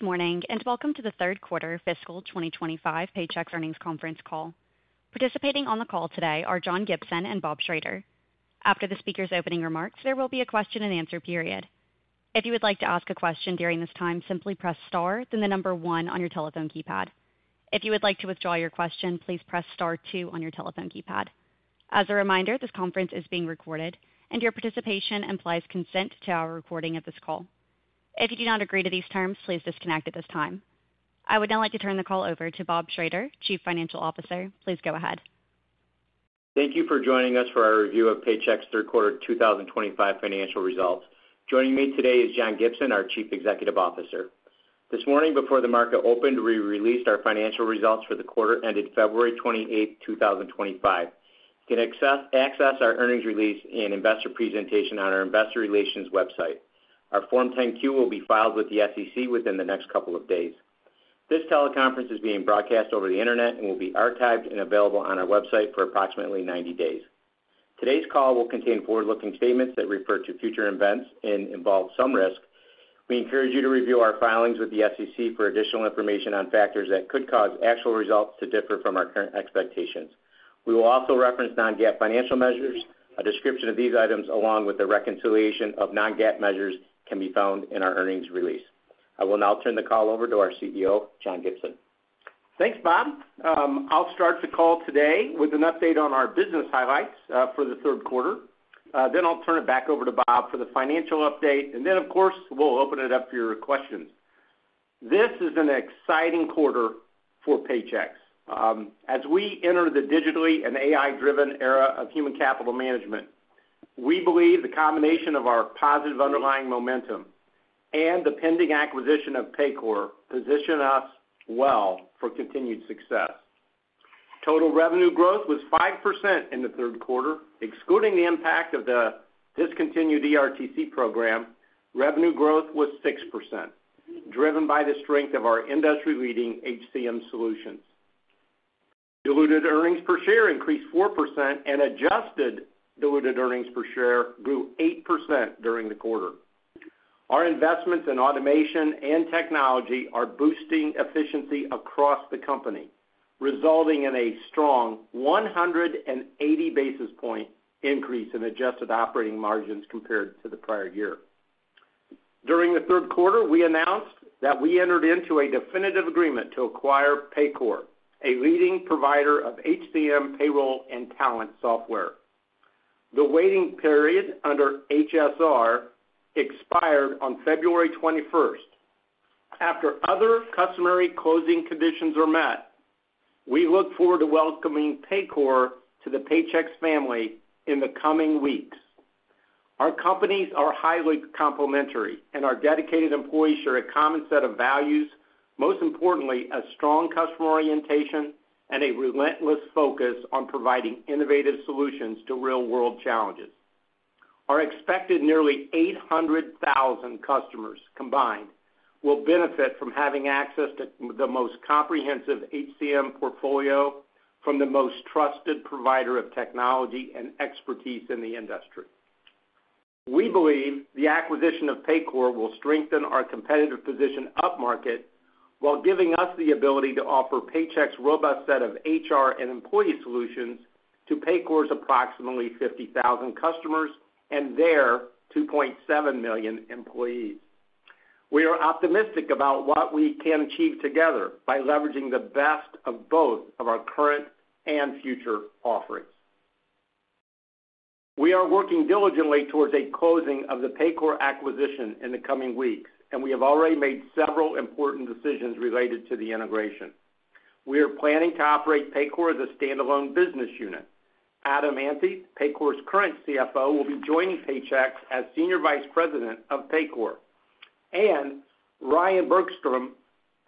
Good morning and welcome to the third quarter fiscal 2025 Paychex Earnings Conference call. Participating on the call today are John Gibson and Bob Schrader. After the speaker's opening remarks, there will be a question and answer period. If you would like to ask a question during this time, simply press star then the number one on your telephone keypad. If you would like to withdraw your question, please press star two on your telephone keypad. As a reminder, this conference is being recorded, and your participation implies consent to our recording of this call. If you do not agree to these terms, please disconnect at this time. I would now like to turn the call over to Bob Schrader, Chief Financial Officer. Please go ahead. Thank you for joining us for our review of Paychex third quarter 2025 financial results. Joining me today is John Gibson, our Chief Executive Officer. This morning, before the market opened, we released our financial results for the quarter ended February 28th, 2025. You can access our earnings release and investor presentation on our investor relations website. Our Form 10-Q will be filed with the SEC within the next couple of days. This teleconference is being broadcast over the internet and will be archived and available on our website for approximately 90 days. Today's call will contain forward-looking statements that refer to future events and involve some risk. We encourage you to review our filings with the SEC for additional information on factors that could cause actual results to differ from our current expectations. We will also reference non-GAAP financial measures. A description of these items, along with the reconciliation of non-GAAP measures, can be found in our earnings release. I will now turn the call over to our CEO, John Gibson. Thanks, Bob. I'll start the call today with an update on our business highlights for the third quarter. Then I'll turn it back over to Bob for the financial update, and of course, we'll open it up for your questions. This is an exciting quarter for Paychex. As we enter the digitally and AI-driven era of human capital management, we believe the combination of our positive underlying momentum and the pending acquisition of Paycor positions us well for continued success. Total revenue growth was 5% in the third quarter. Excluding the impact of the discontinued ERTC program, revenue growth was 6%, driven by the strength of our industry-leading HCM solutions. Diluted earnings per share increased 4%, and adjusted diluted earnings per share grew 8% during the quarter. Our investments in automation and technology are boosting efficiency across the company, resulting in a strong 180 basis point increase in adjusted operating margins compared to the prior year. During the third quarter, we announced that we entered into a definitive agreement to acquire Paycor, a leading provider of HCM payroll and talent software. The waiting period under HSR expired on February 21st. After other customary closing conditions are met, we look forward to welcoming Paycor to the Paychex family in the coming weeks. Our companies are highly complementary, and our dedicated employees share a common set of values, most importantly, a strong customer orientation and a relentless focus on providing innovative solutions to real-world challenges. Our expected nearly 800,000 customers combined will benefit from having access to the most comprehensive HCM portfolio from the most trusted provider of technology and expertise in the industry. We believe the acquisition of Paycor will strengthen our competitive position upmarket while giving us the ability to offer Paychex's robust set of HR and employee solutions to Paycor's approximately 50,000 customers and their 2.7 million employees. We are optimistic about what we can achieve together by leveraging the best of both of our current and future offerings. We are working diligently towards a closing of the Paycor acquisition in the coming weeks, and we have already made several important decisions related to the integration. We are planning to operate Paycor as a standalone business unit. Adam Ante, Paycor's current CFO, will be joining Paychex as Senior Vice President of Paycor, and Ryan Bergstrom,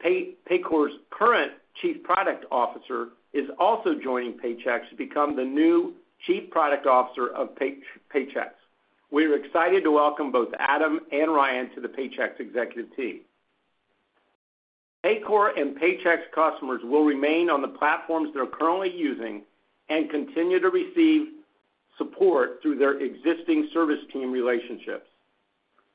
Paycor's current Chief Product Officer, is also joining Paychex to become the new Chief Product Officer of Paychex. We are excited to welcome both Adam and Ryan to the Paychex executive team. Paycor and Paychex customers will remain on the platforms they're currently using and continue to receive support through their existing service team relationships.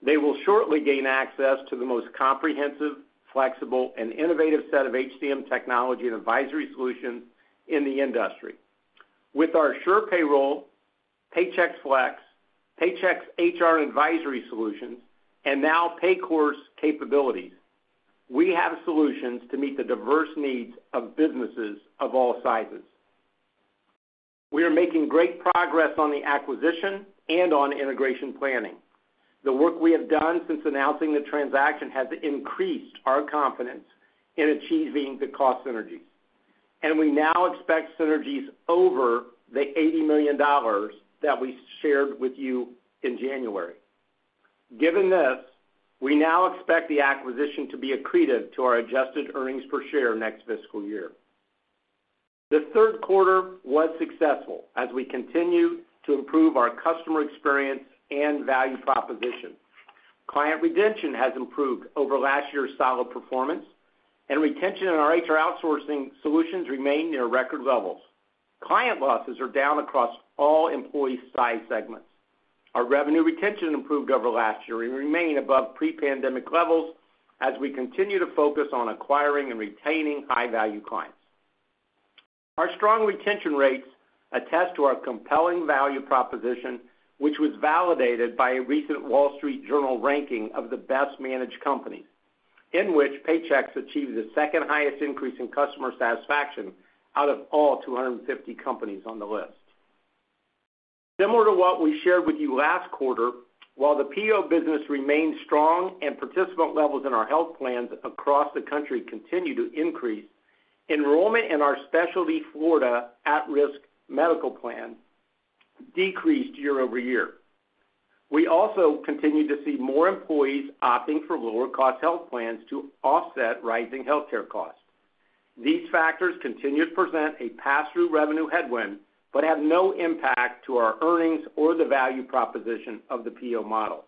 They will shortly gain access to the most comprehensive, flexible, and innovative set of HCM technology and advisory solutions in the industry. With our SurePayroll, Paychex Flex, Paychex HR and advisory solutions, and now Paycor's capabilities, we have solutions to meet the diverse needs of businesses of all sizes. We are making great progress on the acquisition and on integration planning. The work we have done since announcing the transaction has increased our confidence in achieving the cost synergies, and we now expect synergies over the $80 million that we shared with you in January. Given this, we now expect the acquisition to be accretive to our adjusted earnings per share next fiscal year. The third quarter was successful as we continue to improve our customer experience and value proposition. Client retention has improved over last year's solid performance, and retention in our HR outsourcing solutions remained near record levels. Client losses are down across all employee size segments. Our revenue retention improved over last year and remained above pre-pandemic levels as we continue to focus on acquiring and retaining high-value clients. Our strong retention rates attest to our compelling value proposition, which was validated by a recent Wall Street Journal ranking of the best managed companies, in which Paychex achieved the second highest increase in customer satisfaction out of all 250 companies on the list. Similar to what we shared with you last quarter, while the PEO business remained strong and participant levels in our health plans across the country continued to increase, enrollment in our specialty Florida at-risk medical plan decreased year over year. We also continue to see more employees opting for lower-cost health plans to offset rising healthcare costs. These factors continue to present a pass-through revenue headwind but have no impact to our earnings or the value proposition of the PEO model.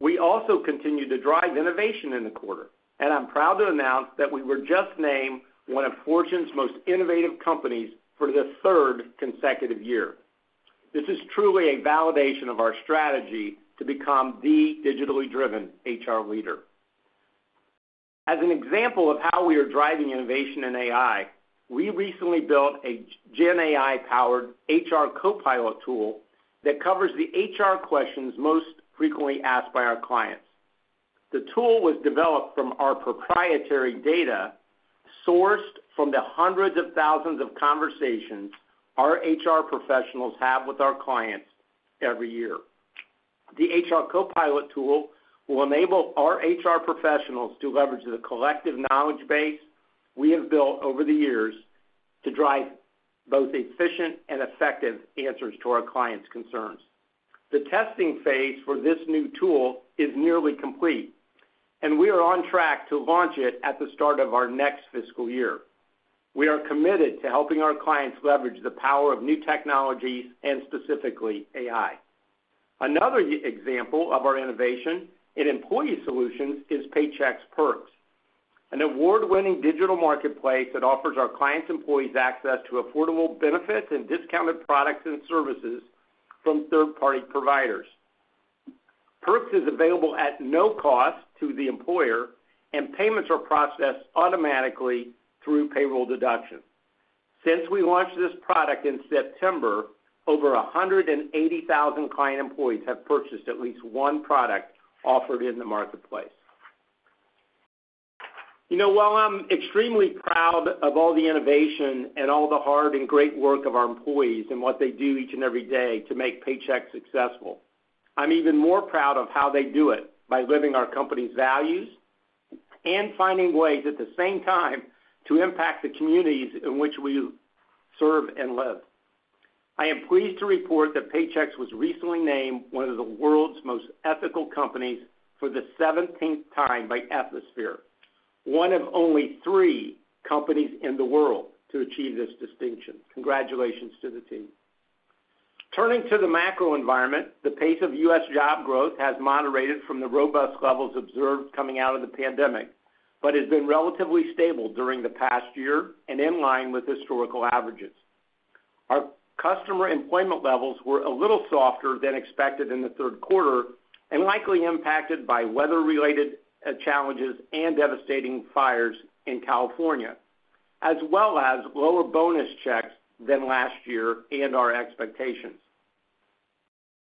We also continue to drive innovation in the quarter, and I'm proud to announce that we were just named one of Fortune's most innovative companies for the third consecutive year. This is truly a validation of our strategy to become the digitally-driven HR leader. As an example of how we are driving innovation in AI, we recently built a GenAI-powered HR copilot tool that covers the HR questions most frequently asked by our clients. The tool was developed from our proprietary data sourced from the hundreds of thousands of conversations our HR professionals have with our clients every year. The HR copilot tool will enable our HR professionals to leverage the collective knowledge base we have built over the years to drive both efficient and effective answers to our clients' concerns. The testing phase for this new tool is nearly complete, and we are on track to launch it at the start of our next fiscal year. We are committed to helping our clients leverage the power of new technologies and specifically AI. Another example of our innovation in employee solutions is Paychex Perks, an award-winning digital marketplace that offers our clients' employees access to affordable benefits and discounted products and services from third-party providers. Perks is available at no cost to the employer, and payments are processed automatically through payroll deduction. Since we launched this product in September, over 180,000 client employees have purchased at least one product offered in the marketplace. You know, while I'm extremely proud of all the innovation and all the hard and great work of our employees and what they do each and every day to make Paychex successful, I'm even more proud of how they do it by living our company's values and finding ways at the same time to impact the communities in which we serve and live. I am pleased to report that Paychex was recently named one of the world's most ethical companies for the 17th time by Ethisphere, one of only three companies in the world to achieve this distinction. Congratulations to the team. Turning to the macro environment, the pace of U.S. job growth has moderated from the robust levels observed coming out of the pandemic but has been relatively stable during the past year and in line with historical averages. Our customer employment levels were a little softer than expected in the third quarter and likely impacted by weather-related challenges and devastating fires in California, as well as lower bonus checks than last year and our expectations.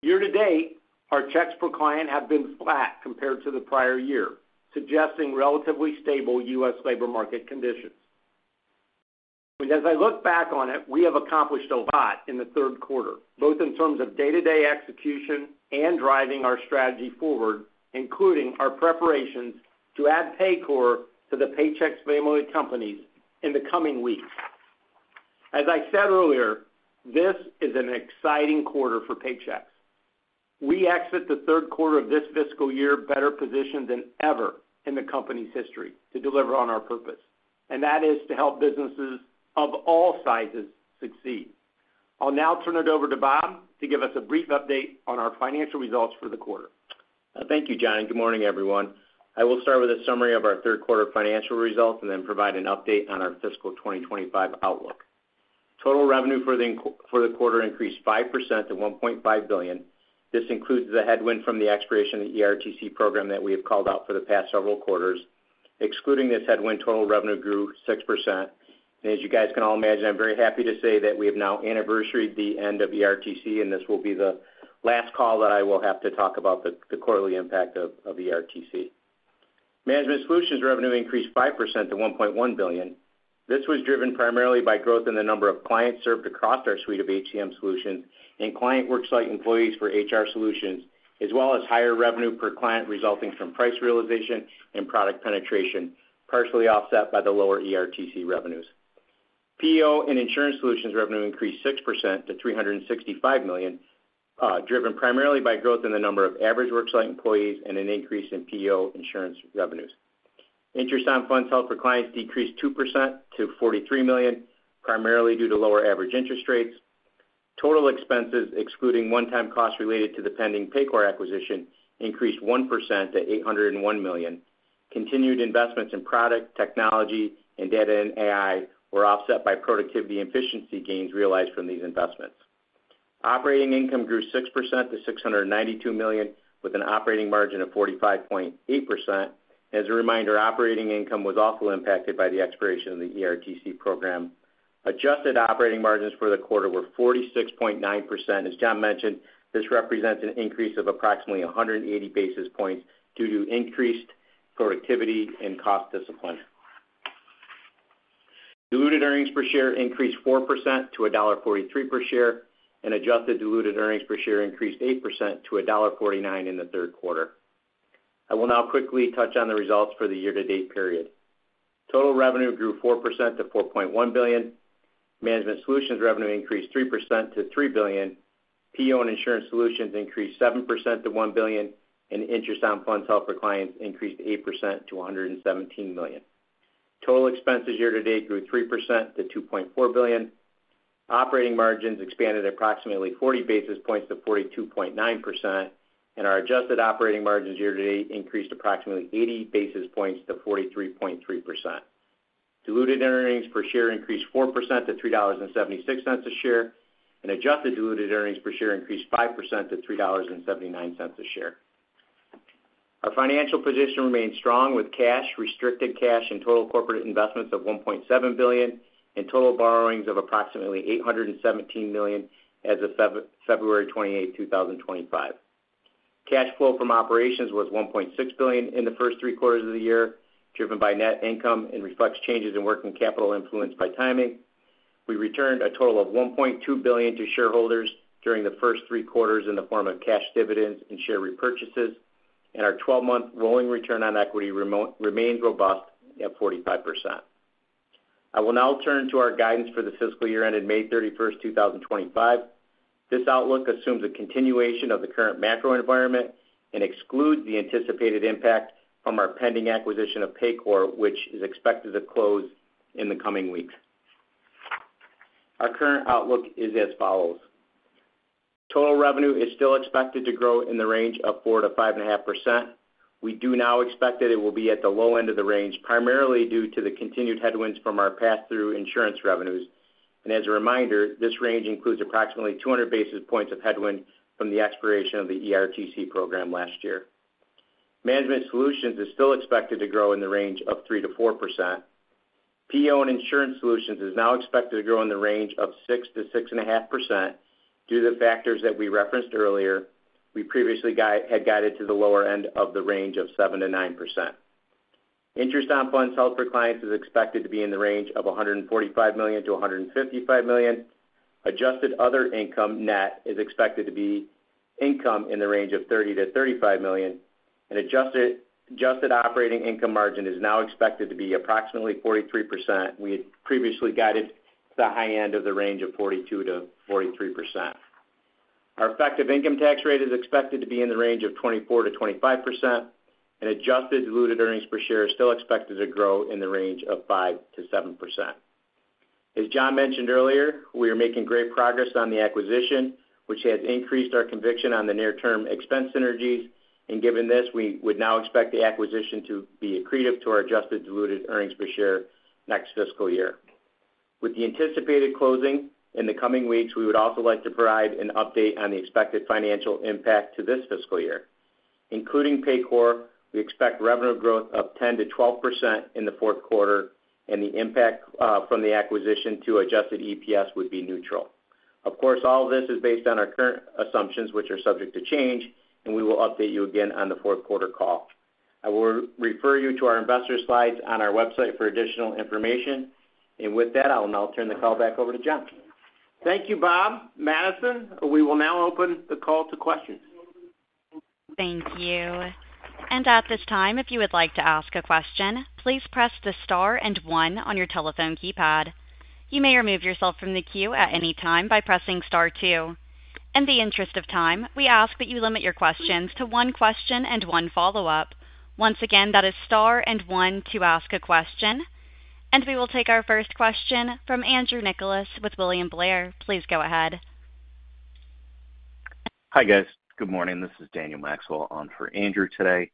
Year to date, our checks per client have been flat compared to the prior year, suggesting relatively stable U.S. labor market conditions. As I look back on it, we have accomplished a lot in the third quarter, both in terms of day-to-day execution and driving our strategy forward, including our preparations to add Paycor to the Paychex family of companies in the coming weeks. As I said earlier, this is an exciting quarter for Paychex. We exit the third quarter of this fiscal year better positioned than ever in the company's history to deliver on our purpose, and that is to help businesses of all sizes succeed. I'll now turn it over to Bob to give us a brief update on our financial results for the quarter. Thank you, John. Good morning, everyone. I will start with a summary of our third quarter financial results and then provide an update on our fiscal 2025 outlook. Total revenue for the quarter increased 5% to $1.5 billion. This includes the headwind from the expiration of the ERTC program that we have called out for the past several quarters. Excluding this headwind, total revenue grew 6%. As you guys can all imagine, I'm very happy to say that we have now anniversary the end of ERTC, and this will be the last call that I will have to talk about the quarterly impact of ERTC. Management solutions revenue increased 5% to $1.1 billion. This was driven primarily by growth in the number of clients served across our suite of HCM solutions and client worksite employees for HR solutions, as well as higher revenue per client resulting from price realization and product penetration, partially offset by the lower ERTC revenues. PEO and insurance solutions revenue increased 6% to $365 million, driven primarily by growth in the number of average worksite employees and an increase in PEO insurance revenues. Interest on funds held for clients decreased 2% to $43 million, primarily due to lower average interest rates. Total expenses, excluding one-time costs related to the pending Paycor acquisition, increased 1% to $801 million. Continued investments in product technology and data and AI were offset by productivity and efficiency gains realized from these investments. Operating income grew 6% to $692 million with an operating margin of 45.8%. As a reminder, operating income was also impacted by the expiration of the ERTC program. Adjusted operating margins for the quarter were 46.9%. As John mentioned, this represents an increase of approximately 180 basis points due to increased productivity and cost discipline. Diluted earnings per share increased 4% to $1.43 per share, and adjusted diluted earnings per share increased 8% to $1.49 in the third quarter. I will now quickly touch on the results for the year-to-date period. Total revenue grew 4% to $4.1 billion. Management solutions revenue increased 3% to $3 billion. PO and insurance solutions increased 7% to $1 billion, and interest on funds held for clients increased 8% to $117 million. Total expenses year to date grew 3% to $2.4 billion. Operating margins expanded approximately 40 basis points to 42.9%, and our adjusted operating margins year to date increased approximately 80 basis points to 43.3%. Diluted earnings per share increased 4% to $3.76 a share, and adjusted diluted earnings per share increased 5% to $3.79 a share. Our financial position remained strong with cash, restricted cash, and total corporate investments of $1.7 billion and total borrowings of approximately $817 million as of February 28, 2025. Cash flow from operations was $1.6 billion in the first three quarters of the year, driven by net income and reflects changes in working capital influenced by timing. We returned a total of $1.2 billion to shareholders during the first three quarters in the form of cash dividends and share repurchases, and our 12-month rolling return on equity remains robust at 45%. I will now turn to our guidance for the fiscal year ended May 31, 2025. This outlook assumes a continuation of the current macro environment and excludes the anticipated impact from our pending acquisition of Paycor, which is expected to close in the coming weeks. Our current outlook is as follows. Total revenue is still expected to grow in the range of 4%-5.5%. We do now expect that it will be at the low end of the range, primarily due to the continued headwinds from our pass-through insurance revenues. As a reminder, this range includes approximately 200 basis points of headwind from the expiration of the ERTC program last year. Management solutions is still expected to grow in the range of 3%-4%. PEO and insurance solutions is now expected to grow in the range of 6%-6.5% due to the factors that we referenced earlier. We previously had guided to the lower end of the range of 7%-9%. Interest on funds held for clients is expected to be in the range of $145 million-$155 million. Adjusted other income net is expected to be income in the range of $30 million-$35 million, and adjusted operating income margin is now expected to be approximately 43%. We had previously guided to the high end of the range of 42%-43%. Our effective income tax rate is expected to be in the range of 24%-25%, and adjusted diluted earnings per share is still expected to grow in the range of 5%-7%. As John mentioned earlier, we are making great progress on the acquisition, which has increased our conviction on the near-term expense synergies. Given this, we would now expect the acquisition to be accretive to our adjusted diluted earnings per share next fiscal year. With the anticipated closing in the coming weeks, we would also like to provide an update on the expected financial impact to this fiscal year. Including Paycor, we expect revenue growth of 10%-12% in the fourth quarter, and the impact from the acquisition to adjusted EPS would be neutral. Of course, all of this is based on our current assumptions, which are subject to change, and we will update you again on the fourth quarter call. I will refer you to our investor slides on our website for additional information. With that, I will now turn the call back over to John. Thank you, Bob. Madison, we will now open the call to questions. Thank you. At this time, if you would like to ask a question, please press the star and one on your telephone keypad. You may remove yourself from the queue at any time by pressing star two. In the interest of time, we ask that you limit your questions to one question and one follow-up. Once again, that is star and one to ask a question. We will take our first question from Andrew Nicholas with William Blair. Please go ahead. Hi, guys. Good morning. This is Daniel Maxwell on for Andrew today.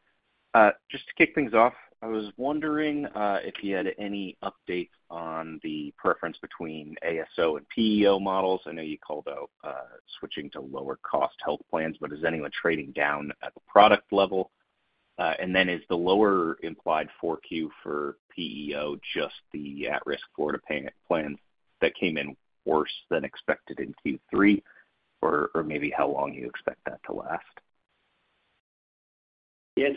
Just to kick things off, I was wondering if you had any updates on the preference between ASO and PEO models. I know you called out switching to lower-cost health plans, but is anyone trading down at the product level? Is the lower implied for Q4 for PEO just the at-risk Florida payment plan that came in worse than expected in Q3, or maybe how long you expect that to last? Yeah.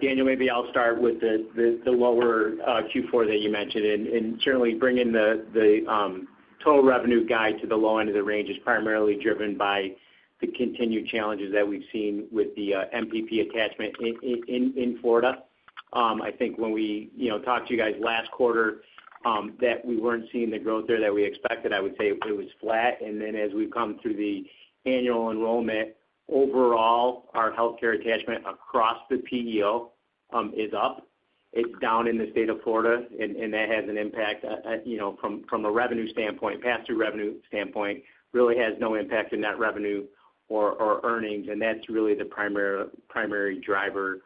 Daniel, maybe I'll start with the lower Q4 that you mentioned. Certainly, bringing the total revenue guide to the low end of the range is primarily driven by the continued challenges that we've seen with the MPP attachment in Florida. I think when we talked to you guys last quarter, we weren't seeing the growth there that we expected. I would say it was flat. As we've come through the annual enrollment, overall, our healthcare attachment across the PEO is up. It's down in the state of Florida, and that has an impact from a revenue standpoint, pass-through revenue standpoint, really has no impact in that revenue or earnings. That's really the primary driver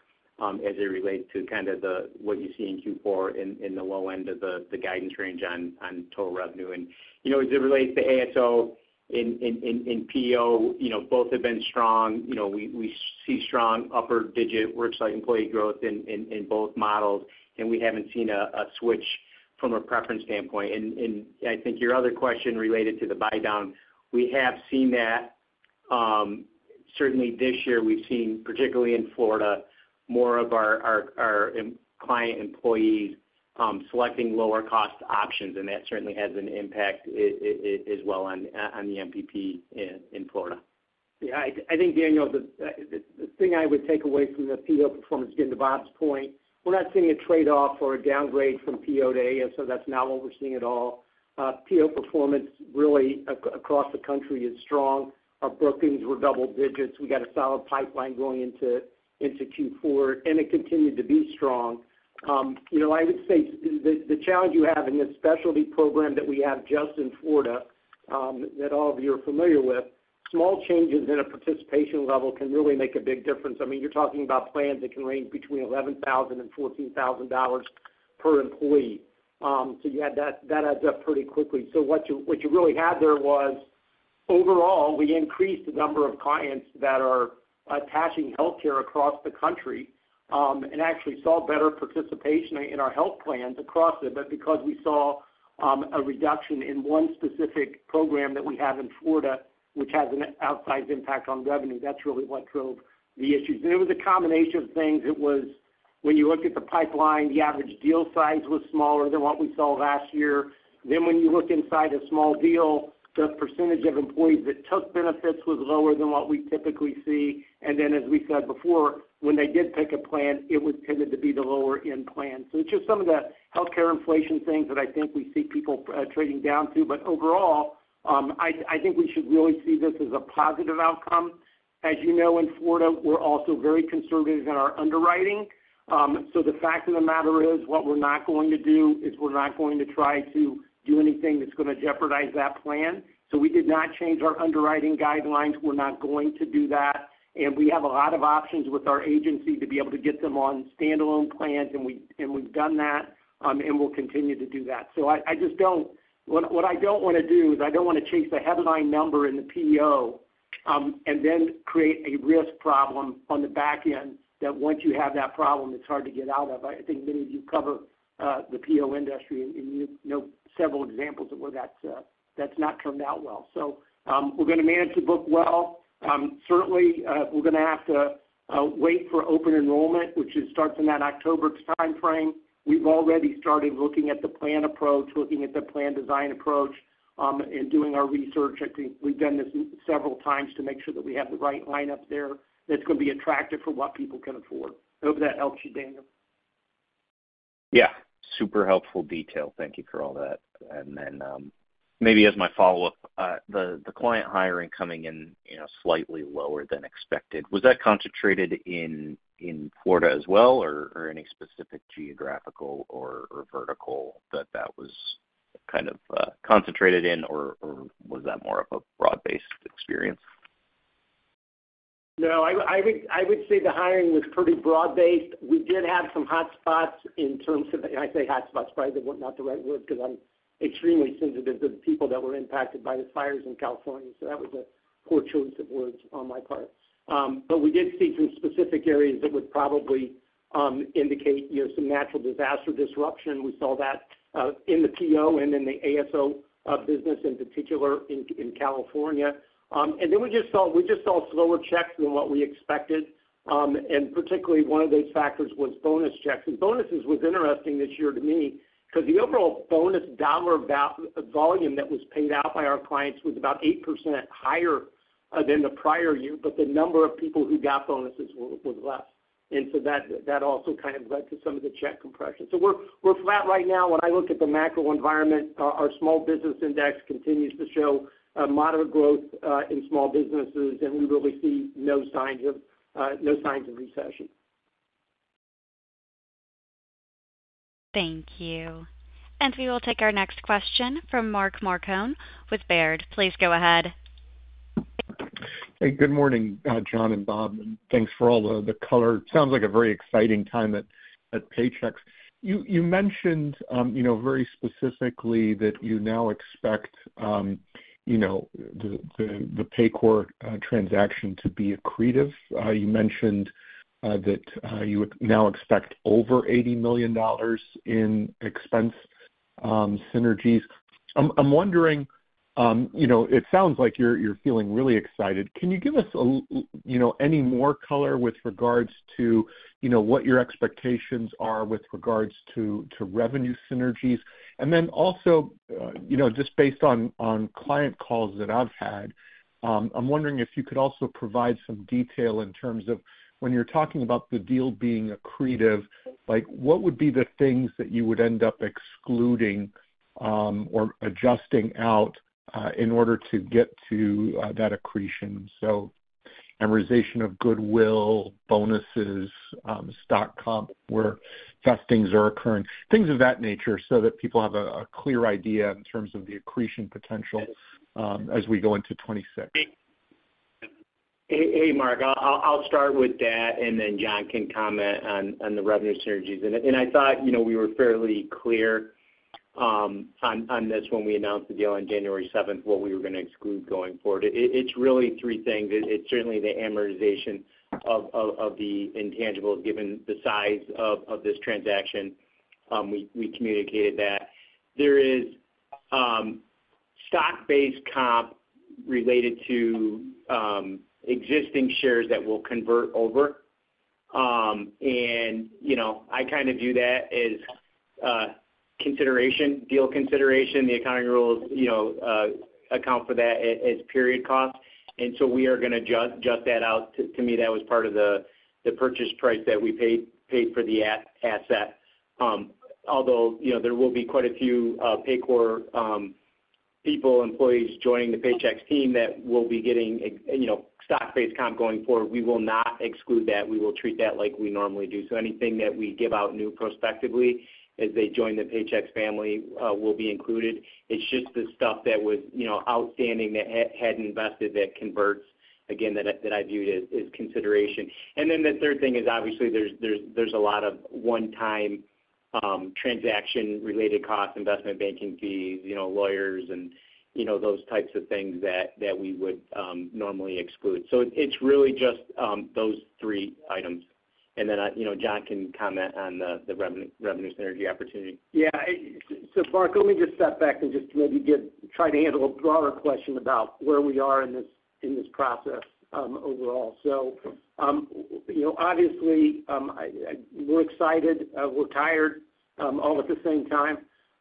as it relates to what you see in Q4 in the low end of the guidance range on total revenue. As it relates to ASO and PEO, both have been strong. We see strong upper-digit worksite employee growth in both models, and we have not seen a switch from a preference standpoint. I think your other question related to the buy-down, we have seen that. Certainly, this year, we have seen, particularly in Florida, more of our client employees selecting lower-cost options, and that certainly has an impact as well on the MPP in Florida. Yeah. I think, Daniel, the thing I would take away from the PEO performance, again, to Bob's point, we are not seeing a trade-off or a downgrade from PEO to ASO. That is not what we are seeing at all. PEO performance really across the country is strong. Our bookings were double digits. We have a solid pipeline going into Q4, and it continued to be strong. I would say the challenge you have in this specialty program that we have just in Florida that all of you are familiar with, small changes in a participation level can really make a big difference. I mean, you're talking about plans that can range between $11,000 and $14,000 per employee. That adds up pretty quickly. What you really had there was, overall, we increased the number of clients that are attaching healthcare across the country and actually saw better participation in our health plans across it. Because we saw a reduction in one specific program that we have in Florida, which has an outsized impact on revenue, that's really what drove the issues. It was a combination of things. It was when you looked at the pipeline, the average deal size was smaller than what we saw last year. When you look inside a small deal, the percentage of employees that took benefits was lower than what we typically see. As we said before, when they did pick a plan, it would tend to be the lower-end plan. It is just some of the healthcare inflation things that I think we see people trading down to. Overall, I think we should really see this as a positive outcome. As you know, in Florida, we are also very conservative in our underwriting. The fact of the matter is what we are not going to do is we are not going to try to do anything that is going to jeopardize that plan. We did not change our underwriting guidelines. We are not going to do that. We have a lot of options with our agency to be able to get them on standalone plans, and we've done that, and we'll continue to do that. What I don't want to do is I don't want to chase a headline number in the PEO and then create a risk problem on the back end that once you have that problem, it's hard to get out of. I think many of you cover the PEO industry, and you know several examples of where that's not turned out well. We're going to manage to book well. Certainly, we're going to have to wait for open enrollment, which starts in that October timeframe. We've already started looking at the plan approach, looking at the plan design approach, and doing our research. I think we've done this several times to make sure that we have the right lineup there that's going to be attractive for what people can afford. I hope that helps you, Daniel. Yeah. Super helpful detail. Thank you for all that. Maybe as my follow-up, the client hiring coming in slightly lower than expected, was that concentrated in Florida as well, or any specific geographical or vertical that that was kind of concentrated in, or was that more of a broad-based experience? No. I would say the hiring was pretty broad-based. We did have some hotspots in terms of—and I say hotspots, probably not the right word because I'm extremely sensitive to the people that were impacted by the fires in California. That was a poor choice of words on my part. We did see some specific areas that would probably indicate some natural disaster disruption. We saw that in the PEO and in the ASO business in particular in California. We just saw slower checks than what we expected. Particularly, one of those factors was bonus checks. Bonuses was interesting this year to me because the overall bonus dollar volume that was paid out by our clients was about 8% higher than the prior year, but the number of people who got bonuses was less. That also kind of led to some of the check compression. We are flat right now. When I look at the macro environment, our small business index continues to show moderate growth in small businesses, and we really see no signs of recession. Thank you. We will take our next question from Mark Marcon with Baird. Please go ahead. Hey, good morning, John and Bob. Thanks for all the color. Sounds like a very exciting time at Paychex. You mentioned very specifically that you now expect the Paycor transaction to be accretive. You mentioned that you now expect over $80 million in expense synergies. I'm wondering, it sounds like you're feeling really excited. Can you give us any more color with regards to what your expectations are with regards to revenue synergies? Also, just based on client calls that I've had, I'm wondering if you could also provide some detail in terms of when you're talking about the deal being accretive, what would be the things that you would end up excluding or adjusting out in order to get to that accretion? Amortization of goodwill, bonuses, stock comp, where fast things are occurring, things of that nature so that people have a clear idea in terms of the accretion potential as we go into 2026. Hey, Mark. I'll start with that, and then John can comment on the revenue synergies. I thought we were fairly clear on this when we announced the deal on January 7th, what we were going to exclude going forward. It's really three things. It's certainly the amortization of the intangibles, given the size of this transaction. We communicated that. There is stock-based comp related to existing shares that will convert over. I kind of view that as consideration, deal consideration. The accounting rules account for that as period cost. We are going to just that out. To me, that was part of the purchase price that we paid for the asset. Although there will be quite a few Paycor people, employees joining the Paychex team that will be getting stock-based comp going forward, we will not exclude that. We will treat that like we normally do. Anything that we give out new prospectively as they join the Paychex family will be included. It's just the stuff that was outstanding that had invested that converts, again, that I viewed as consideration. The third thing is, obviously, there's a lot of one-time transaction-related costs, investment banking fees, lawyers, and those types of things that we would normally exclude. It's really just those three items. John can comment on the revenue synergy opportunity. Yeah. Bob, let me just step back and just maybe try to handle a broader question about where we are in this process overall. Obviously, we're excited. We're tired all at the same time.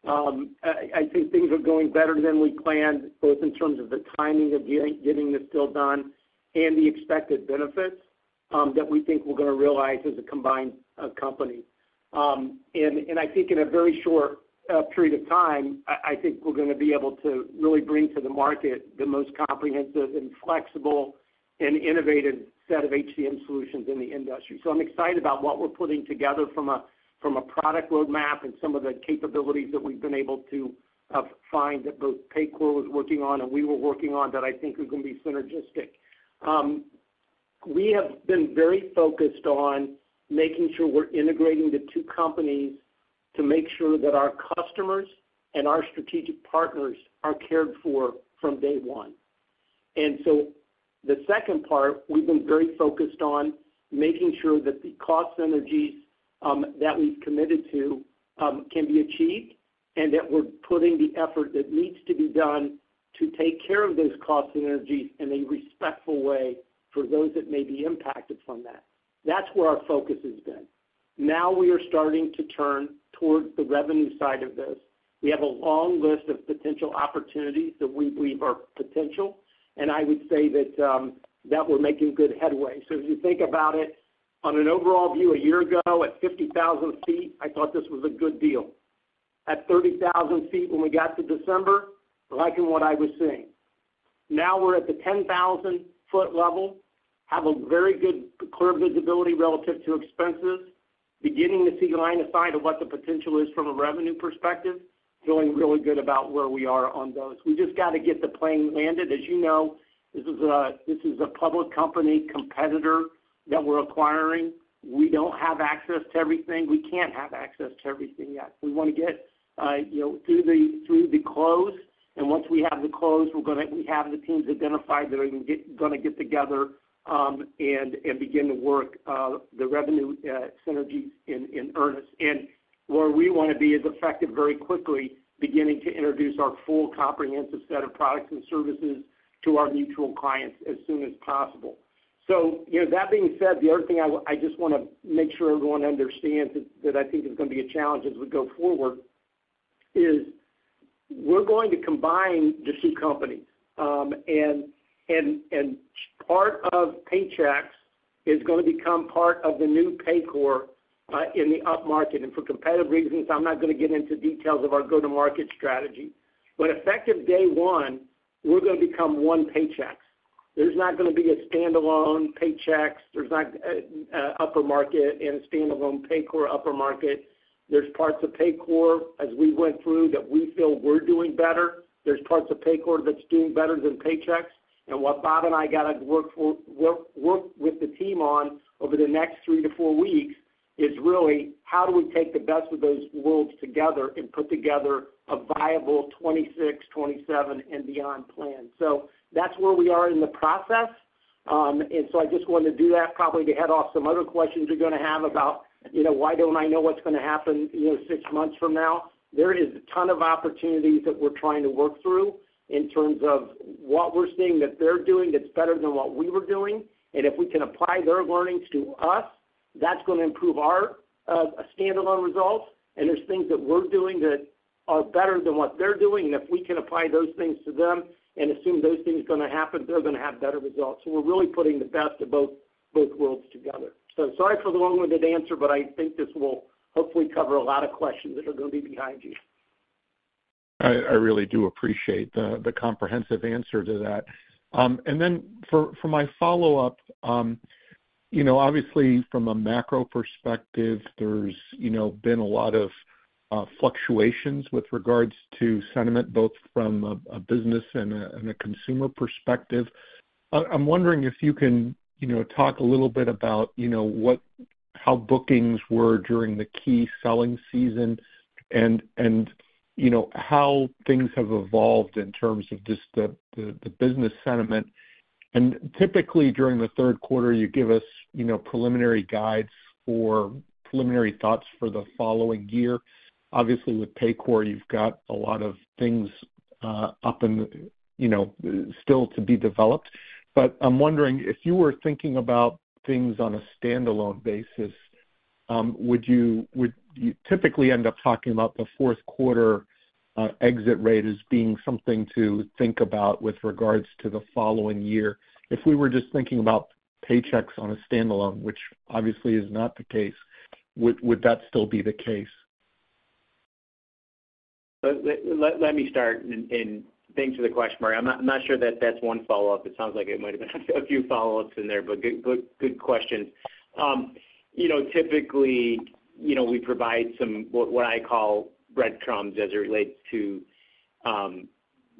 I think things are going better than we planned, both in terms of the timing of getting this deal done and the expected benefits that we think we're going to realize as a combined company. I think in a very short period of time, I think we're going to be able to really bring to the market the most comprehensive and flexible and innovative set of HCM solutions in the industry. I'm excited about what we're putting together from a product roadmap and some of the capabilities that we've been able to find that both Paycor was working on and we were working on that I think are going to be synergistic. We have been very focused on making sure we're integrating the two companies to make sure that our customers and our strategic partners are cared for from day one. The second part, we've been very focused on making sure that the cost synergies that we've committed to can be achieved and that we're putting the effort that needs to be done to take care of those cost synergies in a respectful way for those that may be impacted from that. That's where our focus has been. Now we are starting to turn towards the revenue side of this. We have a long list of potential opportunities that we believe are potential, and I would say that we're making good headway. If you think about it, on an overall view, a year ago at 50,000 feet, I thought this was a good deal. At 30,000 feet when we got to December, liking what I was seeing. Now we're at the 10,000-foot level, have a very good clear visibility relative to expenses, beginning to see line of sight of what the potential is from a revenue perspective, feeling really good about where we are on those. We just got to get the plane landed. As you know, this is a public company competitor that we're acquiring. We don't have access to everything. We can't have access to everything yet. We want to get through the close. Once we have the close, we have the teams identified that are going to get together and begin to work the revenue synergies in earnest. Where we want to be is effective very quickly, beginning to introduce our full comprehensive set of products and services to our mutual clients as soon as possible. That being said, the other thing I just want to make sure everyone understands that I think is going to be a challenge as we go forward is we're going to combine the two companies. Part of Paychex is going to become part of the new Paycor in the upmarket. For competitive reasons, I'm not going to get into details of our go-to-market strategy. Effective day one, we're going to become one Paychex. There's not going to be a standalone Paychex. There's not upper market and a standalone Paycor upper market. There's parts of Paycor, as we went through, that we feel we're doing better. There's parts of Paycor that's doing better than Paychex. What Bob and I got to work with the team on over the next three to four weeks is really how do we take the best of those worlds together and put together a viable 2026, 2027, and beyond plan. That is where we are in the process. I just wanted to do that, probably to head off some other questions you are going to have about why do not I know what is going to happen six months from now. There is a ton of opportunities that we are trying to work through in terms of what we are seeing that they are doing that is better than what we were doing. If we can apply their learnings to us, that is going to improve our standalone results. There are things that we are doing that are better than what they are doing. If we can apply those things to them and assume those things are going to happen, they're going to have better results. We're really putting the best of both worlds together. Sorry for the long-winded answer, but I think this will hopefully cover a lot of questions that are going to be behind you. I really do appreciate the comprehensive answer to that. For my follow-up, obviously, from a macro perspective, there's been a lot of fluctuations with regards to sentiment, both from a business and a consumer perspective. I'm wondering if you can talk a little bit about how bookings were during the key selling season and how things have evolved in terms of just the business sentiment. Typically, during the third quarter, you give us preliminary guides or preliminary thoughts for the following year. Obviously, with Paycor, you've got a lot of things up and still to be developed. I'm wondering, if you were thinking about things on a standalone basis, would you typically end up talking about the fourth quarter exit rate as being something to think about with regards to the following year? If we were just thinking about Paychex on a standalone, which obviously is not the case, would that still be the case? Let me start. Thanks for the question, Mark. I'm not sure that that's one follow-up. It sounds like it might have been a few follow-ups in there, but good questions. Typically, we provide what I call breadcrumbs as it relates to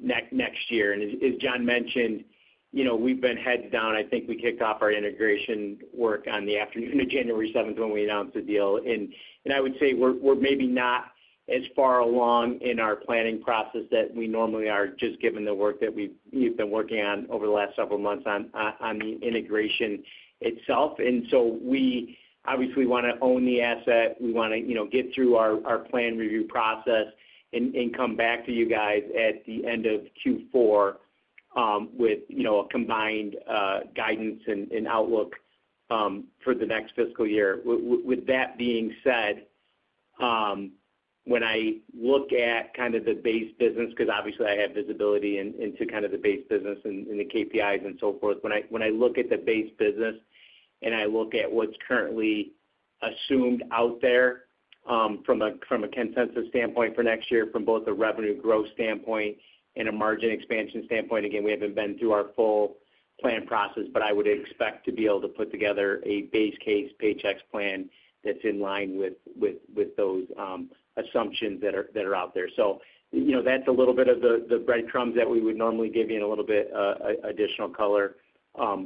next year. As John mentioned, we've been heads down. I think we kicked off our integration work on the afternoon of January 7 when we announced the deal. I would say we're maybe not as far along in our planning process as we normally are just given the work that we've been working on over the last several months on the integration itself. We obviously want to own the asset. We want to get through our plan review process and come back to you guys at the end of Q4 with a combined guidance and outlook for the next fiscal year. With that being said, when I look at kind of the base business, because obviously, I have visibility into kind of the base business and the KPIs and so forth, when I look at the base business and I look at what's currently assumed out there from a consensus standpoint for next year from both a revenue growth standpoint and a margin expansion standpoint, again, we haven't been through our full plan process, but I would expect to be able to put together a base case Paychex plan that's in line with those assumptions that are out there. That is a little bit of the breadcrumbs that we would normally give you and a little bit of additional color,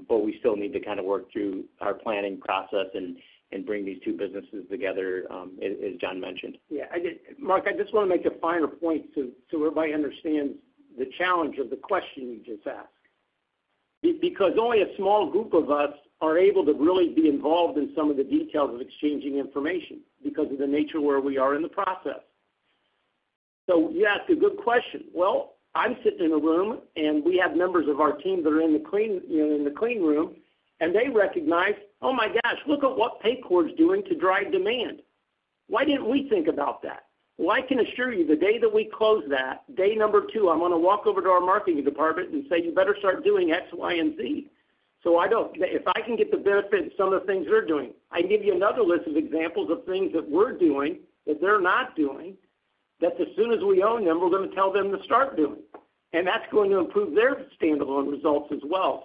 but we still need to kind of work through our planning process and bring these two businesses together, as John mentioned. Yeah. Mark, I just want to make a finer point so everybody understands the challenge of the question you just asked. Because only a small group of us are able to really be involved in some of the details of exchanging information because of the nature where we are in the process. You asked a good question. I'm sitting in a room, and we have members of our team that are in the clean room, and they recognize, "Oh my gosh, look at what Paycor is doing to drive demand. Why didn't we think about that?" I can assure you, the day that we close that, day number two, I'm going to walk over to our marketing department and say, "You better start doing X, Y, and Z." If I can get the benefit of some of the things they're doing, I can give you another list of examples of things that we're doing that they're not doing, that as soon as we own them, we're going to tell them to start doing. That is going to improve their standalone results as well.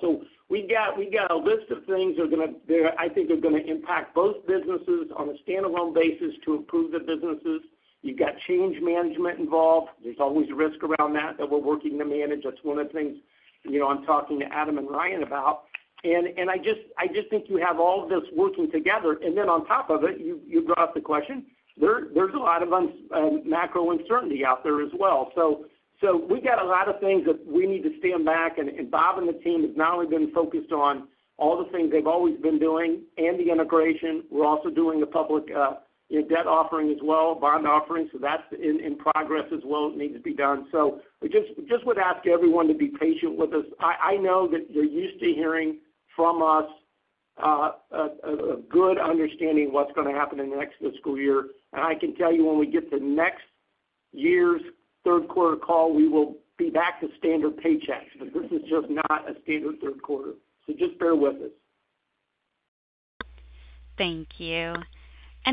We have a list of things that I think are going to impact both businesses on a standalone basis to improve the businesses. You have change management involved. There is always a risk around that that we're working to manage. That is one of the things I'm talking to Adam and Ryan about. I just think you have all of this working together. On top of it, you brought up the question. There is a lot of macro uncertainty out there as well. We have a lot of things that we need to stand back. Bob and the team have not only been focused on all the things they have always been doing and the integration. We are also doing the public debt offering as well, bond offering. That is in progress as well. It needs to be done. I just would ask everyone to be patient with us. I know that you are used to hearing from us a good understanding of what is going to happen in the next fiscal year. I can tell you when we get to next year's third quarter call, we will be back to standard Paychex. This is just not a standard third quarter, so just bear with us. Thank you.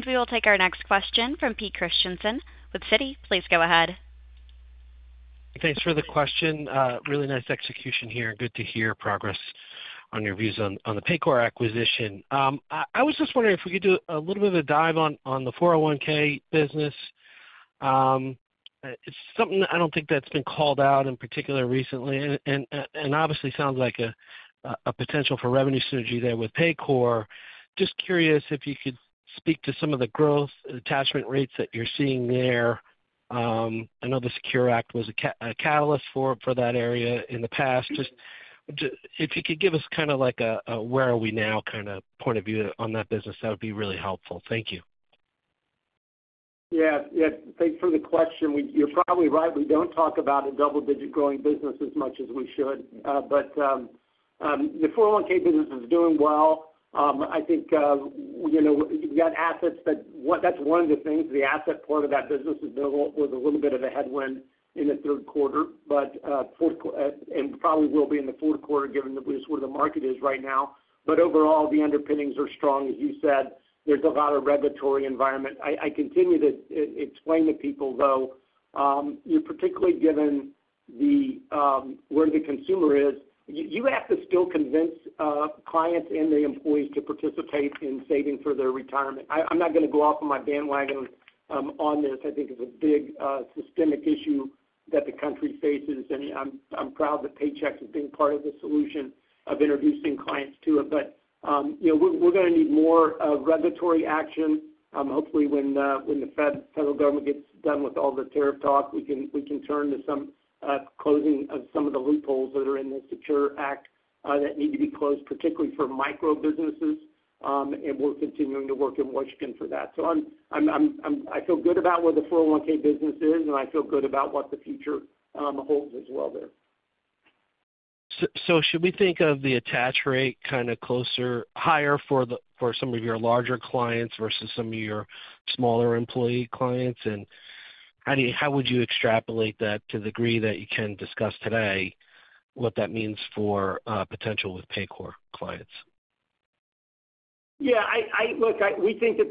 We will take our next question from Pete Christiansen of Citi. Please go ahead. Thanks for the question. Really nice execution here. Good to hear progress on your views on the Paycor acquisition. I was just wondering if we could do a little bit of a dive on the 401(k) business. It's something that I don't think that's been called out in particular recently. Obviously, it sounds like a potential for revenue synergy there with Paycor. Just curious if you could speak to some of the growth attachment rates that you're seeing there. I know the Secure Act was a catalyst for that area in the past. If you could give us kind of like a where are we now kind of point of view on that business, that would be really helpful. Thank you. Yeah. Thanks for the question. You're probably right. We don't talk about a double-digit growing business as much as we should. But the 401(k) business is doing well. I think you've got assets. That's one of the things. The asset part of that business was a little bit of a headwind in the third quarter, and probably will be in the fourth quarter given sort of the market is right now. But overall, the underpinnings are strong, as you said. There's a lot of regulatory environment. I continue to explain to people, though, particularly given where the consumer is, you have to still convince clients and the employees to participate in saving for their retirement. I'm not going to go off on my bandwagon on this. I think it's a big systemic issue that the country faces. I'm proud that Paychex is being part of the solution of introducing clients to it. We're going to need more regulatory action. Hopefully, when the federal government gets done with all the tariff talk, we can turn to some closing of some of the loopholes that are in the Secure Act that need to be closed, particularly for micro businesses. We're continuing to work in Washington for that. I feel good about where the 401(k) business is, and I feel good about what the future holds as well there. Should we think of the attach rate kind of closer higher for some of your larger clients versus some of your smaller employee clients? How would you extrapolate that to the degree that you can discuss today what that means for potential with Paycor clients? Yeah. Look, we think that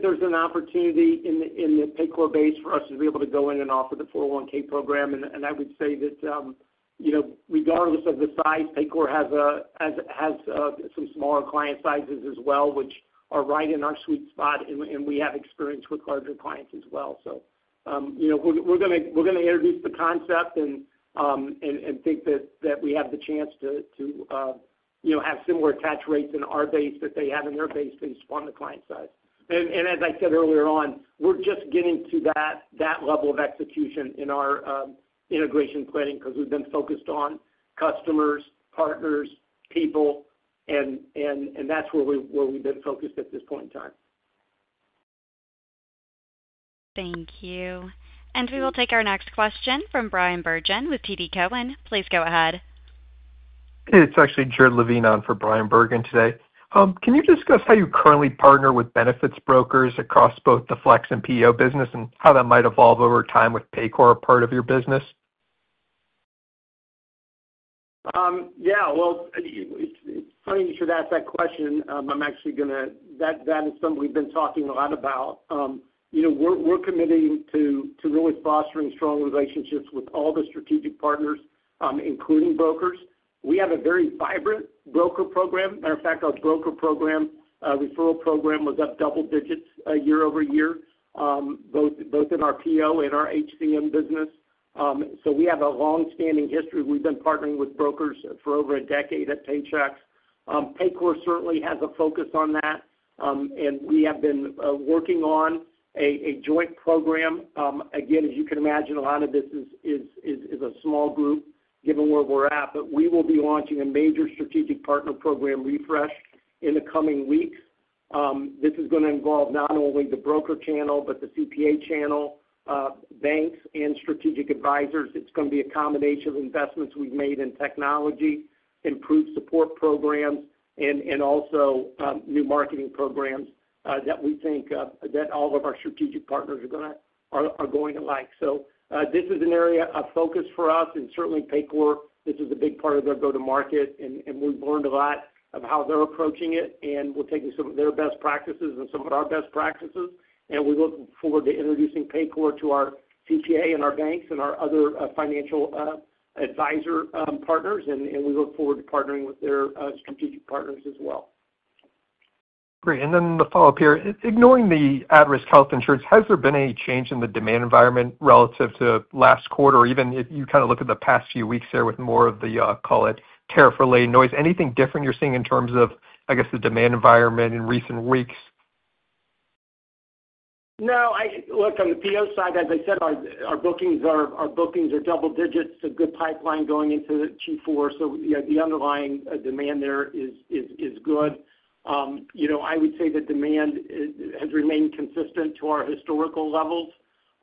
there's an opportunity in the Paycor base for us to be able to go in and offer the 401(k) program. I would say that regardless of the size, Paycor has some smaller client sizes as well, which are right in our sweet spot. We have experience with larger clients as well. We are going to introduce the concept and think that we have the chance to have similar attach rates in our base that they have in their base based upon the client side. As I said earlier on, we're just getting to that level of execution in our integration planning because we've been focused on customers, partners, people, and that's where we've been focused at this point in time. Thank you. We will take our next question from Bryan Bergin with TD Cowen. Please go ahead. It's actually Jared Levine on for Bryan Bergin today. Can you discuss how you currently partner with benefits brokers across both the Flex and PEO business and how that might evolve over time with Paycor part of your business? Yeah. It's funny you should ask that question. I'm actually going to—that is something we've been talking a lot about. We're committing to really fostering strong relationships with all the strategic partners, including brokers. We have a very vibrant broker program. Matter of fact, our broker referral program was up double digits year over year, both in our PEO and our HCM business. We have a long-standing history. We've been partnering with brokers for over a decade at Paychex. Paycor certainly has a focus on that. We have been working on a joint program. Again, as you can imagine, a lot of this is a small group given where we're at. We will be launching a major strategic partner program refresh in the coming weeks. This is going to involve not only the broker channel, but the CPA channel, banks, and strategic advisors. It's going to be a combination of investments we've made in technology, improved support programs, and also new marketing programs that we think that all of our strategic partners are going to like. This is an area of focus for us. Certainly, Paycor, this is a big part of their go-to-market. We've learned a lot of how they're approaching it. We're taking some of their best practices and some of our best practices. We look forward to introducing Paycor to our CPA and our banks and our other financial advisor partners. We look forward to partnering with their strategic partners as well. Great. The follow-up here, ignoring the at-risk health insurance, has there been any change in the demand environment relative to last quarter? Or even if you kind of look at the past few weeks there with more of the, call it, tariff-related noise, anything different you're seeing in terms of, I guess, the demand environment in recent weeks? No. Look, on the PO side, as I said, our bookings are double digits, a good pipeline going into Q4. The underlying demand there is good. I would say the demand has remained consistent to our historical levels.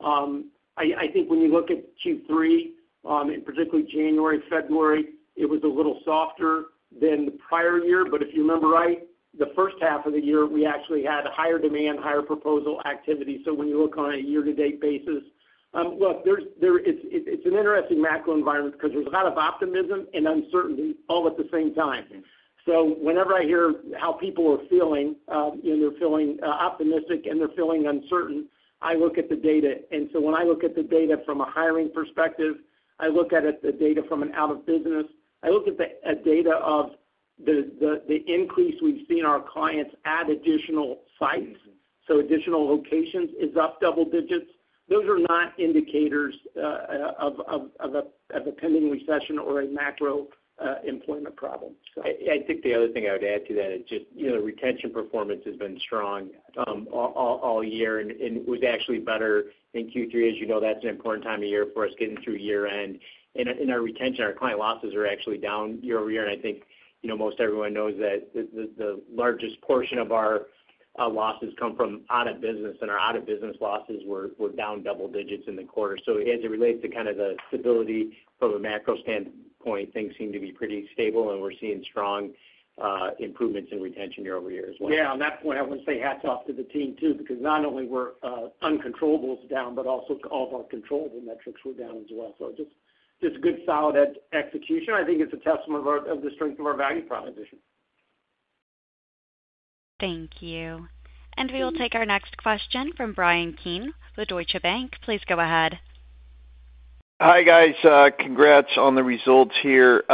I think when you look at Q3, and particularly January, February, it was a little softer than the prior year. If you remember right, the first half of the year, we actually had higher demand, higher proposal activity. When you look on a year-to-date basis, look, it's an interesting macro environment because there's a lot of optimism and uncertainty all at the same time. Whenever I hear how people are feeling, they're feeling optimistic and they're feeling uncertain, I look at the data. When I look at the data from a hiring perspective, I look at the data from an out-of-business. I look at the data of the increase we've seen our clients add additional sites. Additional locations is up double digits. Those are not indicators of a pending recession or a macro employment problem. I think the other thing I would add to that is just the retention performance has been strong all year and was actually better in Q3. As you know, that's an important time of year for us getting through year-end. In our retention, our client losses are actually down year over year. I think most everyone knows that the largest portion of our losses come from out-of-business. Our out-of-business losses were down double digits in the quarter. As it relates to kind of the stability from a macro standpoint, things seem to be pretty stable. We're seeing strong improvements in retention year over year as well. Yeah. On that point, I want to say hats off to the team too because not only were uncontrollables down, but also all of our controllable metrics were down as well. Just good solid execution. I think it's a testament of the strength of our value proposition. Thank you. We will take our next question from Brian Keane with Deutsche Bank. Please go ahead. Hi guys. Congrats on the results here.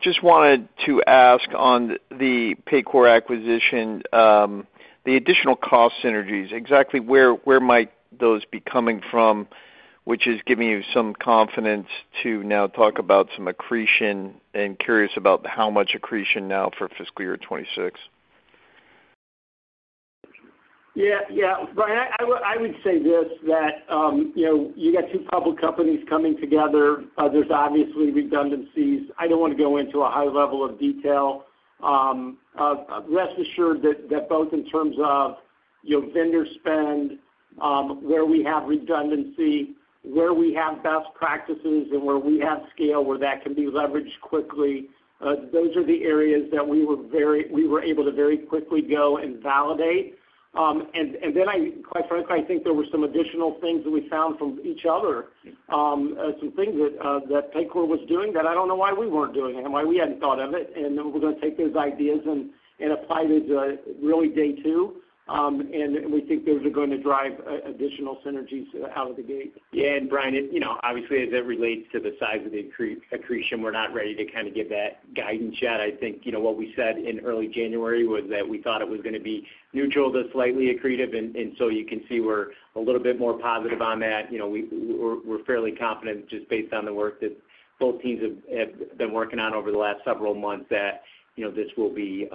Just wanted to ask on the Paycor acquisition, the additional cost synergies, exactly where might those be coming from, which is giving you some confidence to now talk about some accretion and curious about how much accretion now for fiscal year 2026? Yeah. Yeah. Brian, I would say this, that you got two public companies coming together. There's obviously redundancies. I don't want to go into a high level of detail. Rest assured that both in terms of vendor spend, where we have redundancy, where we have best practices, and where we have scale where that can be leveraged quickly, those are the areas that we were able to very quickly go and validate. Quite frankly, I think there were some additional things that we found from each other, some things that Paycor was doing that I don't know why we weren't doing and why we hadn't thought of it. We're going to take those ideas and apply those to really day two. We think those are going to drive additional synergies out of the gate. Yeah. Brian, obviously, as it relates to the size of the accretion, we're not ready to kind of give that guidance yet. I think what we said in early January was that we thought it was going to be neutral to slightly accretive. You can see we're a little bit more positive on that. We're fairly confident just based on the work that both teams have been working on over the last several months that this will be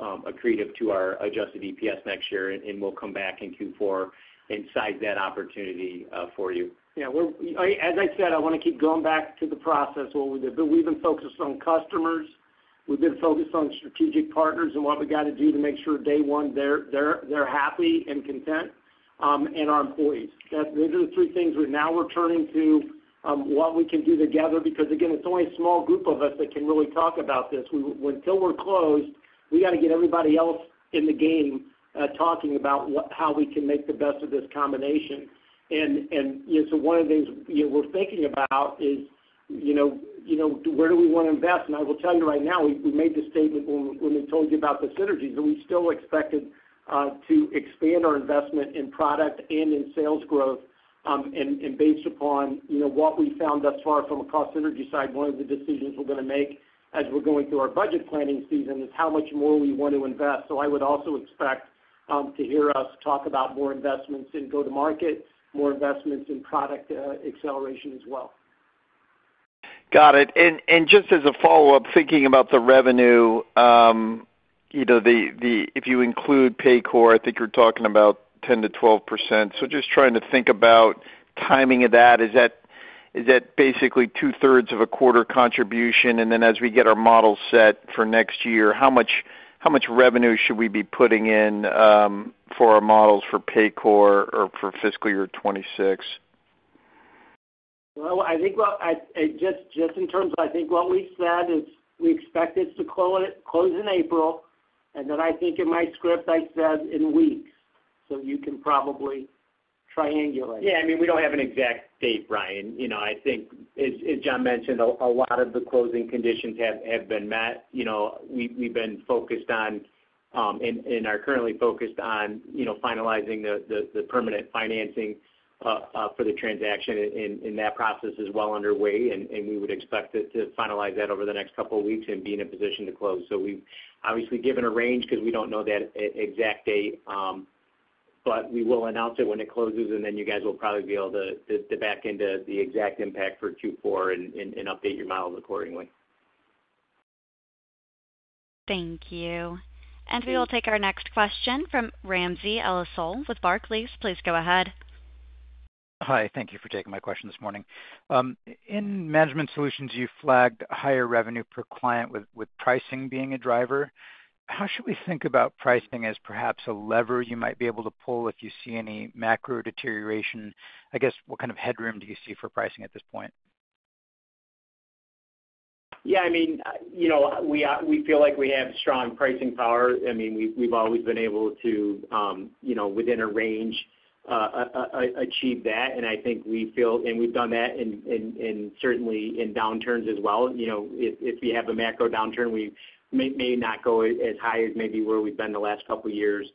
accretive to our adjusted EPS next year. We'll come back in Q4 and size that opportunity for you. Yeah. As I said, I want to keep going back to the process. We have been focused on customers. We have been focused on strategic partners and what we got to do to make sure day one they are happy and content and our employees. Those are the three things. We are now returning to what we can do together because, again, it is only a small group of us that can really talk about this. Until we are closed, we got to get everybody else in the game talking about how we can make the best of this combination. One of the things we are thinking about is where do we want to invest? I will tell you right now, we made the statement when we told you about the synergies, and we still expect to expand our investment in product and in sales growth. Based upon what we found thus far from a cost synergy side, one of the decisions we're going to make as we're going through our budget planning season is how much more we want to invest. I would also expect to hear us talk about more investments in go-to-market, more investments in product acceleration as well. Got it. Just as a follow-up, thinking about the revenue, if you include Paycor, I think you're talking about 10-12%. Just trying to think about timing of that. Is that basically two-thirds of a quarter contribution? As we get our model set for next year, how much revenue should we be putting in for our models for Paycor or for fiscal year 2026? I think just in terms of I think what we said is we expect it to close in April. And then I think in my script, I said in weeks. You can probably triangulate. Yeah. I mean, we do not have an exact date, Brian. I think, as John mentioned, a lot of the closing conditions have been met. We have been focused on, and are currently focused on finalizing the permanent financing for the transaction. That process is well underway. We would expect to finalize that over the next couple of weeks and be in a position to close. We have obviously given a range because we do not know that exact date. We will announce it when it closes. You guys will probably be able to back into the exact impact for Q4 and update your models accordingly. Thank you. We will take our next question from Ramsey El-Assal with Barclays. Please go ahead. Hi. Thank you for taking my question this morning. In management solutions, you flagged higher revenue per client with pricing being a driver. How should we think about pricing as perhaps a lever you might be able to pull if you see any macro deterioration? I guess, what kind of headroom do you see for pricing at this point? Yeah. I mean, we feel like we have strong pricing power. I mean, we've always been able to, within a range, achieve that. I think we feel and we've done that certainly in downturns as well. If we have a macro downturn, we may not go as high as maybe where we've been the last couple of years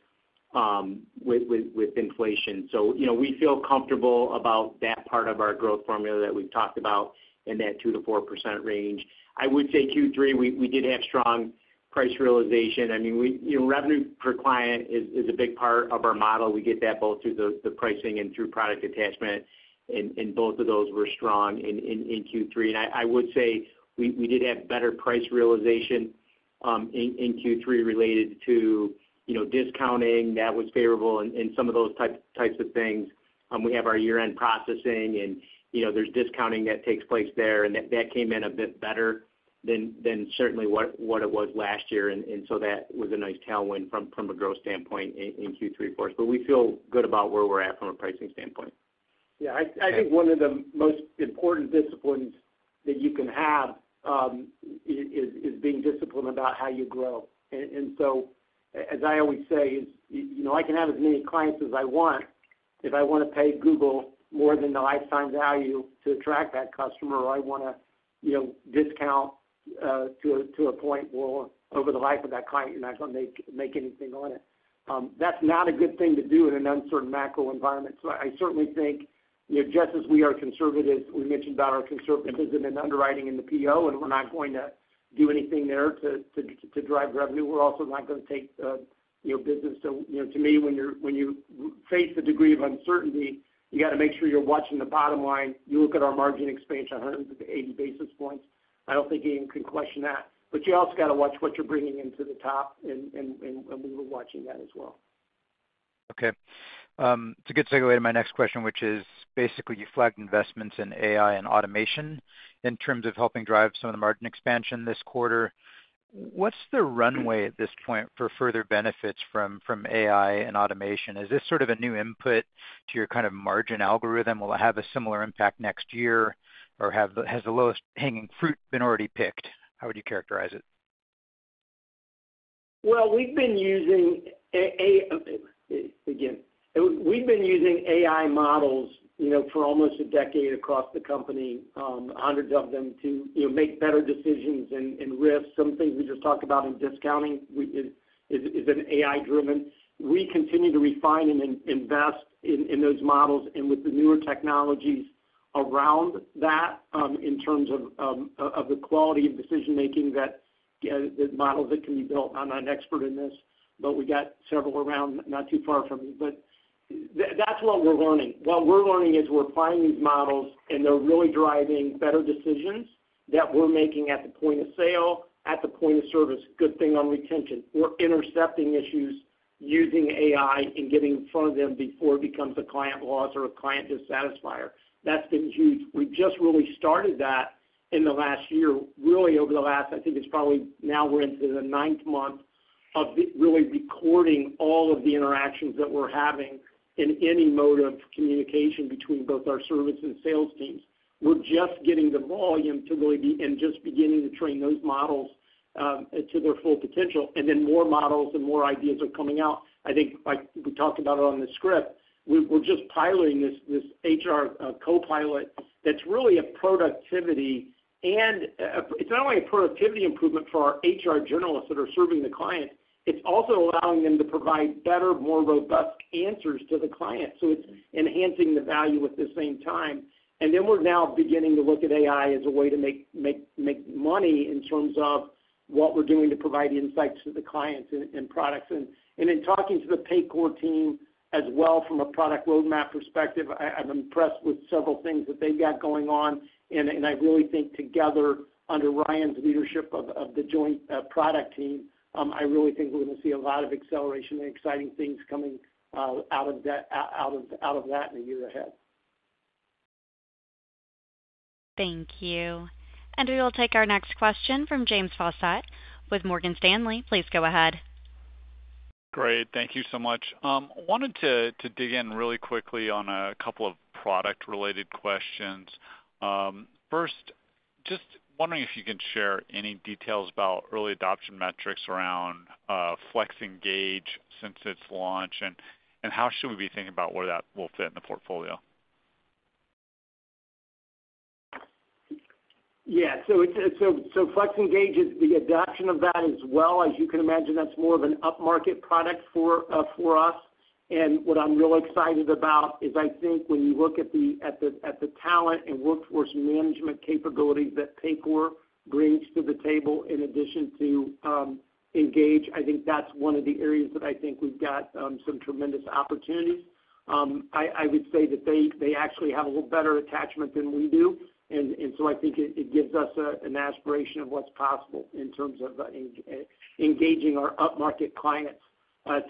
with inflation. We feel comfortable about that part of our growth formula that we've talked about in that 2-4% range. I would say Q3, we did have strong price realization. I mean, revenue per client is a big part of our model. We get that both through the pricing and through product attachment. Both of those were strong in Q3. I would say we did have better price realization in Q3 related to discounting that was favorable and some of those types of things. We have our year-end processing, and there's discounting that takes place there. That came in a bit better than certainly what it was last year. That was a nice tailwind from a growth standpoint in Q3 for us. We feel good about where we're at from a pricing standpoint. Yeah. I think one of the most important disciplines that you can have is being disciplined about how you grow. As I always say, I can have as many clients as I want. If I want to pay Google more than the lifetime value to attract that customer, or I want to discount to a point where over the life of that client, you're not going to make anything on it. That's not a good thing to do in an uncertain macro environment. I certainly think just as we are conservative, we mentioned about our conservatism in underwriting and the PEO, and we're not going to do anything there to drive revenue. We're also not going to take business. To me, when you face the degree of uncertainty, you got to make sure you're watching the bottom line. You look at our margin expansion, 180 basis points. I do not think anyone can question that. You also got to watch what you are bringing into the top. We were watching that as well. Okay. It's a good segue to my next question, which is basically you flagged investments in AI and automation in terms of helping drive some of the margin expansion this quarter. What's the runway at this point for further benefits from AI and automation? Is this sort of a new input to your kind of margin algorithm? Will it have a similar impact next year? Or has the lowest hanging fruit been already picked? How would you characterize it? We have been using AI models for almost a decade across the company, hundreds of them to make better decisions and risk. Some things we just talked about in discounting is AI-driven. We continue to refine and invest in those models and with the newer technologies around that in terms of the quality of decision-making that models that can be built. I am not an expert in this, but we got several around not too far from me. That is what we are learning. What we are learning is we are finding these models, and they are really driving better decisions that we are making at the point of sale, at the point of service. Good thing on retention. We are intercepting issues using AI and getting in front of them before it becomes a client loss or a client dissatisfier. That has been huge. We have just really started that in the last year. Really, over the last, I think it's probably now we're into the ninth month of really recording all of the interactions that we're having in any mode of communication between both our service and sales teams. We're just getting the volume to really be and just beginning to train those models to their full potential. More models and more ideas are coming out. I think we talked about it on the script. We're just piloting this HR copilot that's really a productivity and it's not only a productivity improvement for our HR generalists that are serving the client. It's also allowing them to provide better, more robust answers to the client. It is enhancing the value at the same time. We're now beginning to look at AI as a way to make money in terms of what we're doing to provide insights to the clients and products. In talking to the Paycor team as well from a product roadmap perspective, I'm impressed with several things that they've got going on. I really think together under Ryan's leadership of the joint product team, I really think we're going to see a lot of acceleration and exciting things coming out of that in the year ahead. Thank you. We will take our next question from James Faucette with Morgan Stanley. Please go ahead. Great. Thank you so much. I wanted to dig in really quickly on a couple of product-related questions. First, just wondering if you can share any details about early adoption metrics around FlexEngage since its launch and how should we be thinking about where that will fit in the portfolio? Yeah. FlexEngage is the adoption of that as well. As you can imagine, that's more of an up-market product for us. What I'm really excited about is I think when you look at the talent and workforce management capabilities that Paycor brings to the table in addition to Engage, I think that's one of the areas that I think we've got some tremendous opportunities. I would say that they actually have a little better attachment than we do. I think it gives us an aspiration of what's possible in terms of engaging our up-market clients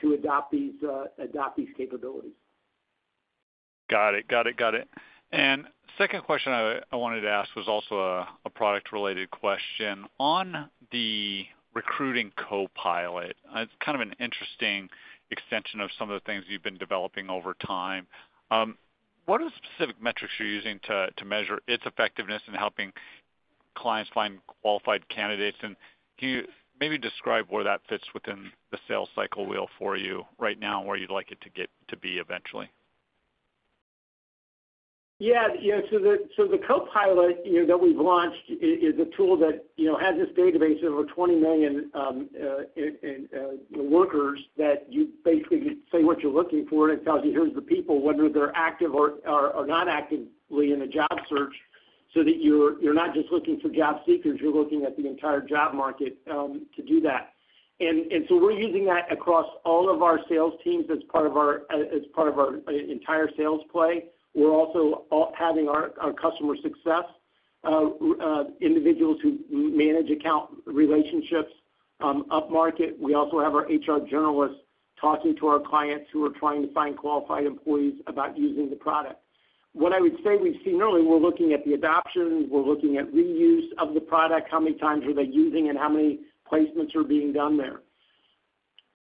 to adopt these capabilities. Got it. Got it. Got it. The second question I wanted to ask was also a product-related question. On the Recruiting Copilot, it's kind of an interesting extension of some of the things you've been developing over time. What are the specific metrics you're using to measure its effectiveness in helping clients find qualified candidates? Can you maybe describe where that fits within the sales cycle wheel for you right now and where you'd like it to be eventually? Yeah. The Copilot that we've launched is a tool that has this database of over 20 million workers that you basically say what you're looking for and it tells you who's the people, whether they're active or not actively in a job search so that you're not just looking for job seekers. You're looking at the entire job market to do that. We're using that across all of our sales teams as part of our entire sales play. We're also having our customer success individuals who manage account relationships up-market. We also have our HR generalists talking to our clients who are trying to find qualified employees about using the product. What I would say we've seen early, we're looking at the adoption. We're looking at reuse of the product. How many times are they using and how many placements are being done there?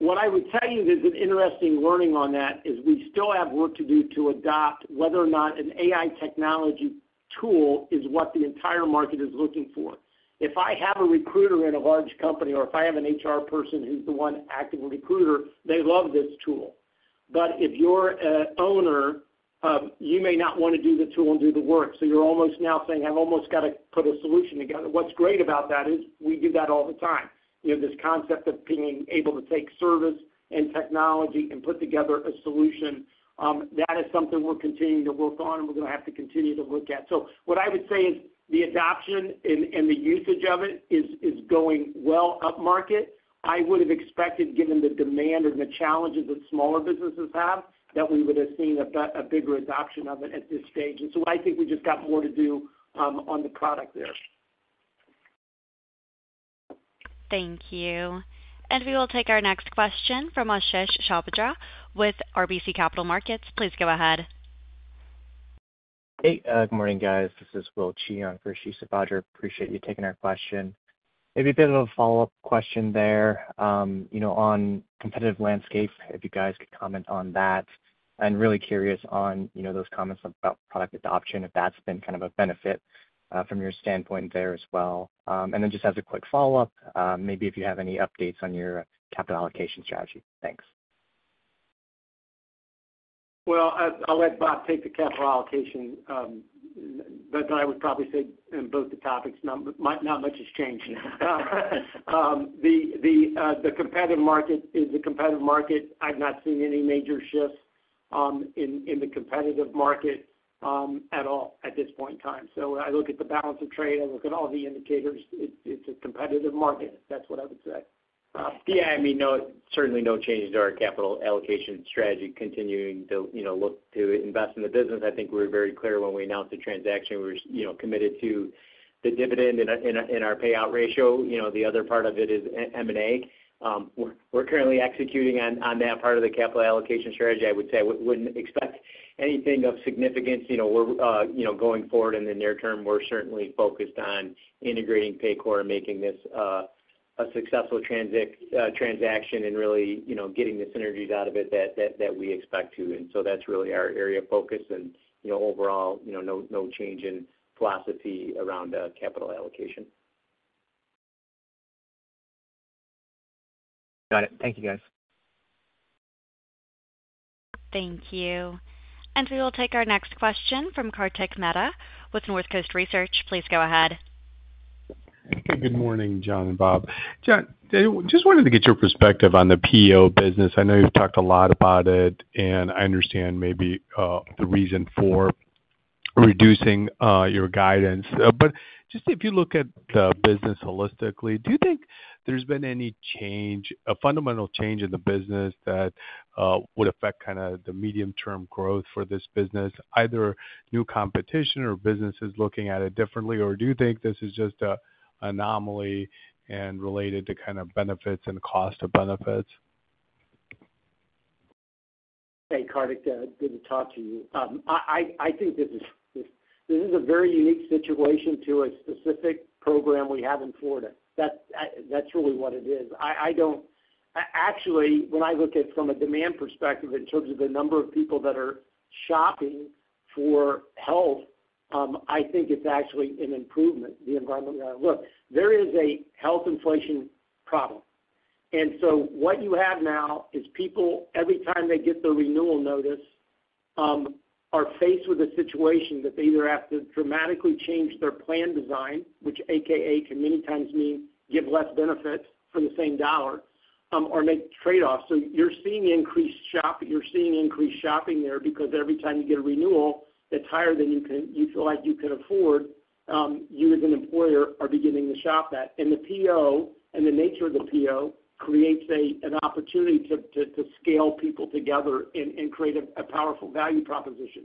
What I would tell you is an interesting learning on that is we still have work to do to adopt whether or not an AI technology tool is what the entire market is looking for. If I have a recruiter in a large company or if I have an HR person who's the one active recruiter, they love this tool. If you're an owner, you may not want to do the tool and do the work. You are almost now saying, "I've almost got to put a solution together." What's great about that is we do that all the time. This concept of being able to take service and technology and put together a solution, that is something we're continuing to work on and we're going to have to continue to look at. What I would say is the adoption and the usage of it is going well up-market. I would have expected, given the demand and the challenges that smaller businesses have, that we would have seen a bigger adoption of it at this stage. I think we just got more to do on the product there. Thank you. We will take our next question from Ashish Sabadra with RBC Capital Markets. Please go ahead. Hey. Good morning, guys. This is Will Qi on Ashish Sabadra. Appreciate you taking our question. Maybe a bit of a follow-up question there on competitive landscape, if you guys could comment on that. Really curious on those comments about product adoption, if that's been kind of a benefit from your standpoint there as well. Just as a quick follow-up, maybe if you have any updates on your capital allocation strategy. Thanks. I will let Bob take the capital allocation. I would probably say in both the topics, not much has changed. The competitive market is the competitive market. I have not seen any major shifts in the competitive market at all at this point in time. I look at the balance of trade. I look at all the indicators. It is a competitive market. That is what I would say. Yeah. I mean, certainly no change to our capital allocation strategy, continuing to look to invest in the business. I think we were very clear when we announced the transaction. We were committed to the dividend and our payout ratio. The other part of it is M&A. We're currently executing on that part of the capital allocation strategy. I would say I wouldn't expect anything of significance. We're going forward in the near term, we're certainly focused on integrating Paycor and making this a successful transaction and really getting the synergies out of it that we expect to. That is really our area of focus. Overall, no change in philosophy around capital allocation. Got it. Thank you, guys. Thank you. We will take our next question from Kartik Mehta with Northcoast Research. Please go ahead. Good morning, John and Bob. John, just wanted to get your perspective on the PEO business. I know you've talked a lot about it, and I understand maybe the reason for reducing your guidance. Just if you look at the business holistically, do you think there's been any change, a fundamental change in the business that would affect kind of the medium-term growth for this business, either new competition or businesses looking at it differently? Do you think this is just an anomaly and related to kind of benefits and cost of benefits? Hey, Kartik. Good to talk to you. I think this is a very unique situation to a specific program we have in Florida. That's really what it is. Actually, when I look at it from a demand perspective in terms of the number of people that are shopping for health, I think it's actually an improvement. The environment we're in, look, there is a health inflation problem. What you have now is people, every time they get the renewal notice, are faced with a situation that they either have to dramatically change their plan design, which, AKA, can many times mean give less benefits for the same dollar or make trade-offs. You are seeing increased shopping. You are seeing increased shopping there because every time you get a renewal, it's higher than you feel like you can afford. You, as an employer, are beginning to shop that. The PEO and the nature of the PEO creates an opportunity to scale people together and create a powerful value proposition.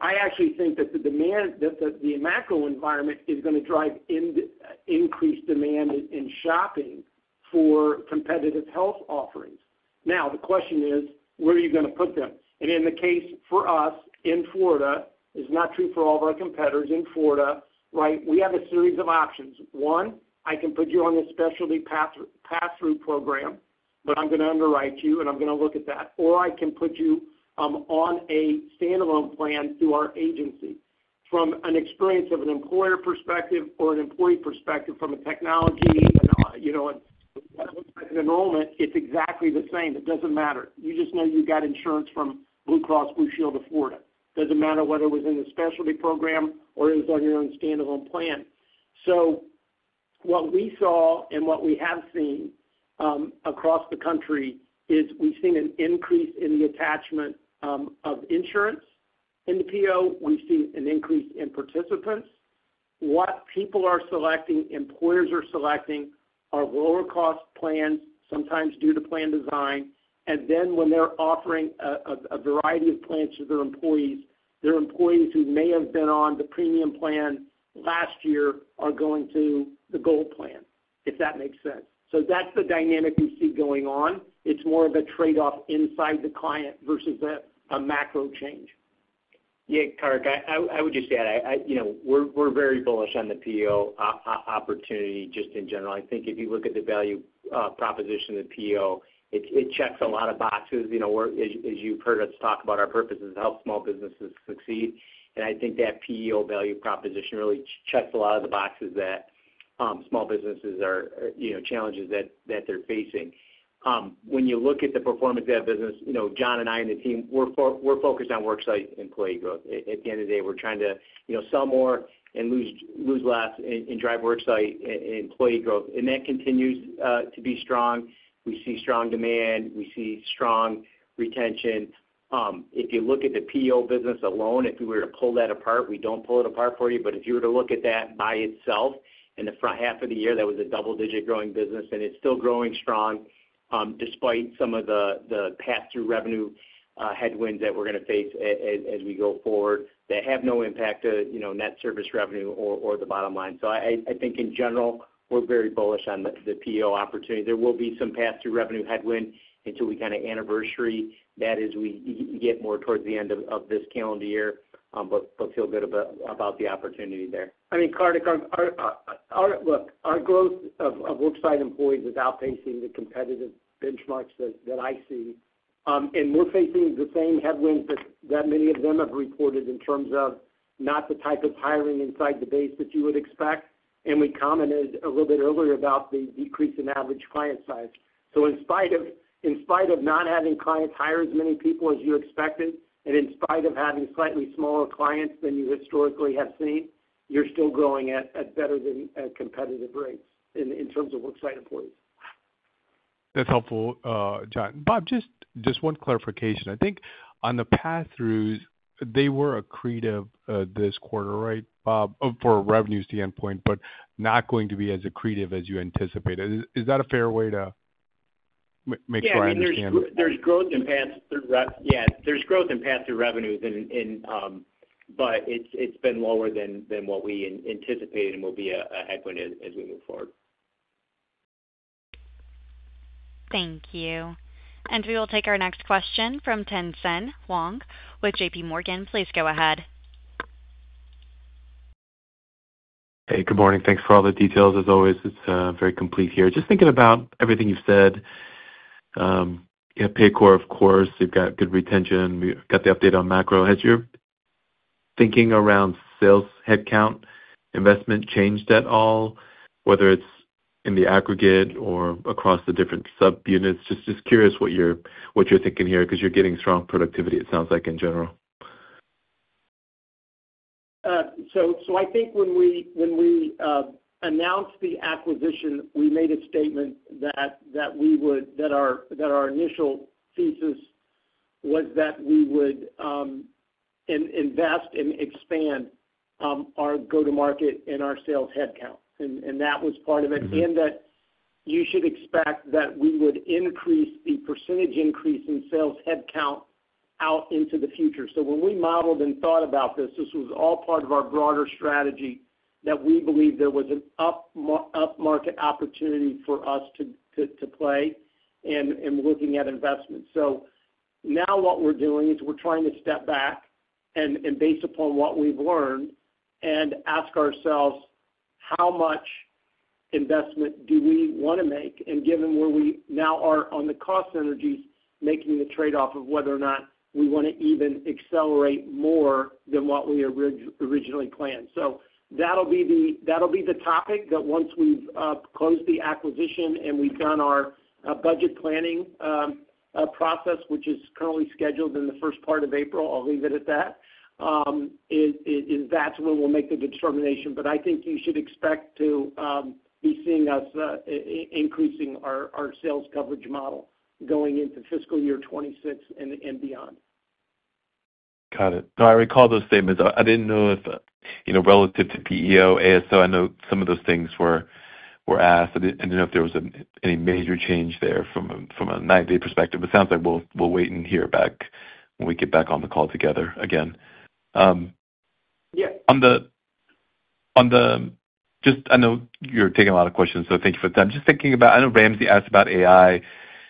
I actually think that the macro environment is going to drive increased demand and shopping for competitive health offerings. Now, the question is, where are you going to put them? In the case for us in Florida, it's not true for all of our competitors in Florida, right? We have a series of options. One, I can put you on a specialty pass-through program, but I'm going to underwrite you, and I'm going to look at that. Or I can put you on a standalone plan through our agency from an experience of an employer perspective or an employee perspective from a technology and an enrollment. It's exactly the same. It doesn't matter. You just know you got insurance from Blue Cross Blue Shield of Florida. It doesn't matter whether it was in the specialty program or it was on your own standalone plan. What we saw and what we have seen across the country is we've seen an increase in the attachment of insurance in the PEO. We've seen an increase in participants. What people are selecting, employers are selecting, are lower-cost plans, sometimes due to plan design. When they're offering a variety of plans to their employees, their employees who may have been on the premium plan last year are going to the gold plan, if that makes sense. That's the dynamic we see going on. It's more of a trade-off inside the client versus a macro change. Yeah, Kartik, I would just add, we're very bullish on the PEO opportunity just in general. I think if you look at the value proposition of the PEO, it checks a lot of boxes. As you've heard us talk about, our purpose is to help small businesses succeed. I think that PEO value proposition really checks a lot of the boxes that small businesses are challenges that they're facing. When you look at the performance of that business, John and I and the team, we're focused on worksite employee growth. At the end of the day, we're trying to sell more and lose less and drive worksite employee growth. That continues to be strong. We see strong demand. We see strong retention. If you look at the PEO business alone, if you were to pull that apart, we don't pull it apart for you. If you were to look at that by itself in the front half of the year, that was a double-digit growing business, and it's still growing strong despite some of the pass-through revenue headwinds that we're going to face as we go forward that have no impact on net service revenue or the bottom line. I think in general, we're very bullish on the PEO opportunity. There will be some pass-through revenue headwind until we kind of anniversary that as we get more towards the end of this calendar year, but feel good about the opportunity there. I mean, Kartik, look, our growth of worksite employees is outpacing the competitive benchmarks that I see. We're facing the same headwinds that many of them have reported in terms of not the type of hiring inside the base that you would expect. We commented a little bit earlier about the decrease in average client size. In spite of not having clients hire as many people as you expected and in spite of having slightly smaller clients than you historically have seen, you're still growing at better than competitive rates in terms of worksite employees. That's helpful, John. Bob, just one clarification. I think on the pass-throughs, they were accretive this quarter, right, Bob, from a revenues standpoint, but not going to be as accretive as you anticipated. Is that a fair way to make sure I understand? Yeah. There's growth in pass-through revenues. Yeah. There's growth in pass-through revenues, but it's been lower than what we anticipated and will be a headwind as we move forward. Thank you. We will take our next question from Tien-Tsin Huang with JPMorgan Chase & Co. Please go ahead. Hey, good morning. Thanks for all the details. As always, it's very complete here. Just thinking about everything you've said, you have Paycor, of course. You've got good retention. We've got the update on macro. Has your thinking around sales headcount investment changed at all, whether it's in the aggregate or across the different subunits? Just curious what you're thinking here because you're getting strong productivity, it sounds like, in general. I think when we announced the acquisition, we made a statement that we would, that our initial thesis was that we would invest and expand our go-to-market and our sales headcount. That was part of it. You should expect that we would increase the percentage increase in sales headcount out into the future. When we modeled and thought about this, this was all part of our broader strategy that we believe there was an up-market opportunity for us to play in looking at investment. Now what we're doing is we're trying to step back and, based upon what we've learned, ask ourselves how much investment do we want to make. Given where we now are on the cost synergies, making the trade-off of whether or not we want to even accelerate more than what we originally planned. That'll be the topic that once we've closed the acquisition and we've done our budget planning process, which is currently scheduled in the first part of April, I'll leave it at that. That's where we'll make the determination. I think you should expect to be seeing us increasing our sales coverage model going into fiscal year 2026 and beyond. Got it. No, I recall those statements. I did not know if relative to PEO, ASO, I know some of those things were asked. I did not know if there was any major change there from a 90-day perspective. It sounds like we will wait and hear back when we get back on the call together again. Yeah. I know you're taking a lot of questions, so thank you for the time. Just thinking about, I know Ramsey asked about AI,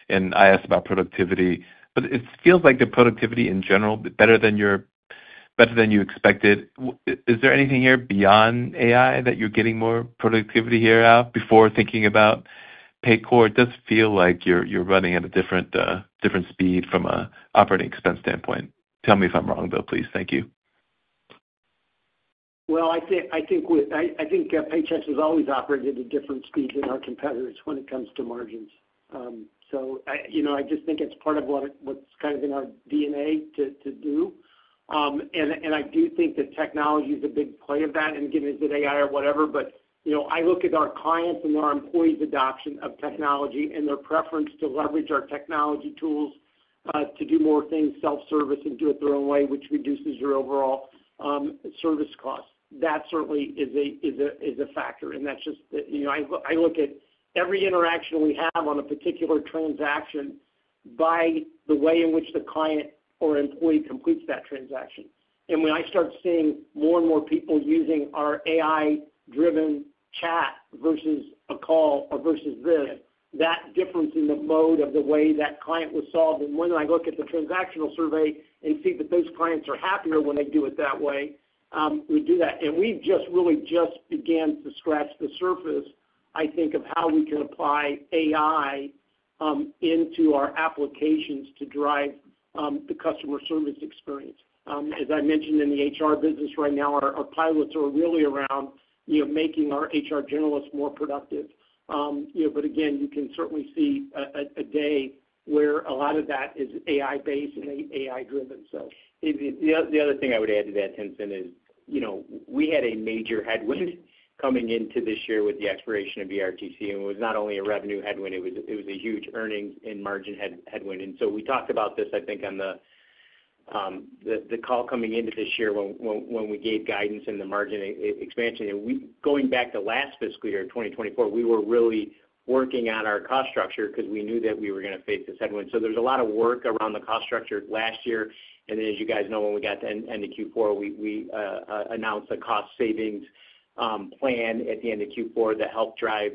and I asked about productivity. It feels like the productivity in general, better than you expected. Is there anything here beyond AI that you're getting more productivity here out? Before thinking about Paycor, it does feel like you're running at a different speed from an operating expense standpoint. Tell me if I'm wrong, though, please. Thank you. I think Paychex has always operated at a different speed than our competitors when it comes to margins. I just think it's part of what's kind of in our DNA to do. I do think that technology is a big play of that, and again, is it AI or whatever. I look at our clients and our employees' adoption of technology and their preference to leverage our technology tools to do more things, self-service, and do it their own way, which reduces your overall service cost. That certainly is a factor. I look at every interaction we have on a particular transaction by the way in which the client or employee completes that transaction. When I start seeing more and more people using our AI-driven chat versus a call or versus this, that difference in the mode of the way that client was solved. When I look at the transactional survey and see that those clients are happier when they do it that way, we do that. We have just really just begun to scratch the surface, I think, of how we can apply AI into our applications to drive the customer service experience. As I mentioned in the HR business right now, our pilots are really around making our HR generalists more productive. You can certainly see a day where a lot of that is AI-based and AI-driven. The other thing I would add to that, Tien-Tsin, is we had a major headwind coming into this year with the expiration of ERTC. It was not only a revenue headwind, it was a huge earnings and margin headwind. We talked about this, I think, on the call coming into this year when we gave guidance in the margin expansion. Going back to last fiscal year 2024, we were really working on our cost structure because we knew that we were going to face this headwind. There was a lot of work around the cost structure last year. As you guys know, when we got to end of Q4, we announced a cost-savings plan at the end of Q4 that helped drive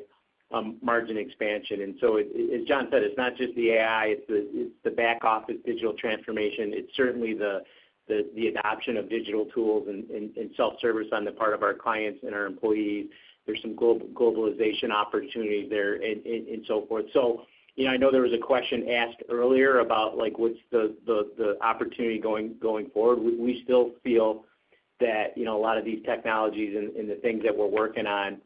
margin expansion. As John said, it's not just the AI, it's the back-office digital transformation. It is certainly the adoption of digital tools and self-service on the part of our clients and our employees. There are some globalization opportunities there and so forth. I know there was a question asked earlier about what's the opportunity going forward. We still feel that a lot of these technologies and the things that we're working on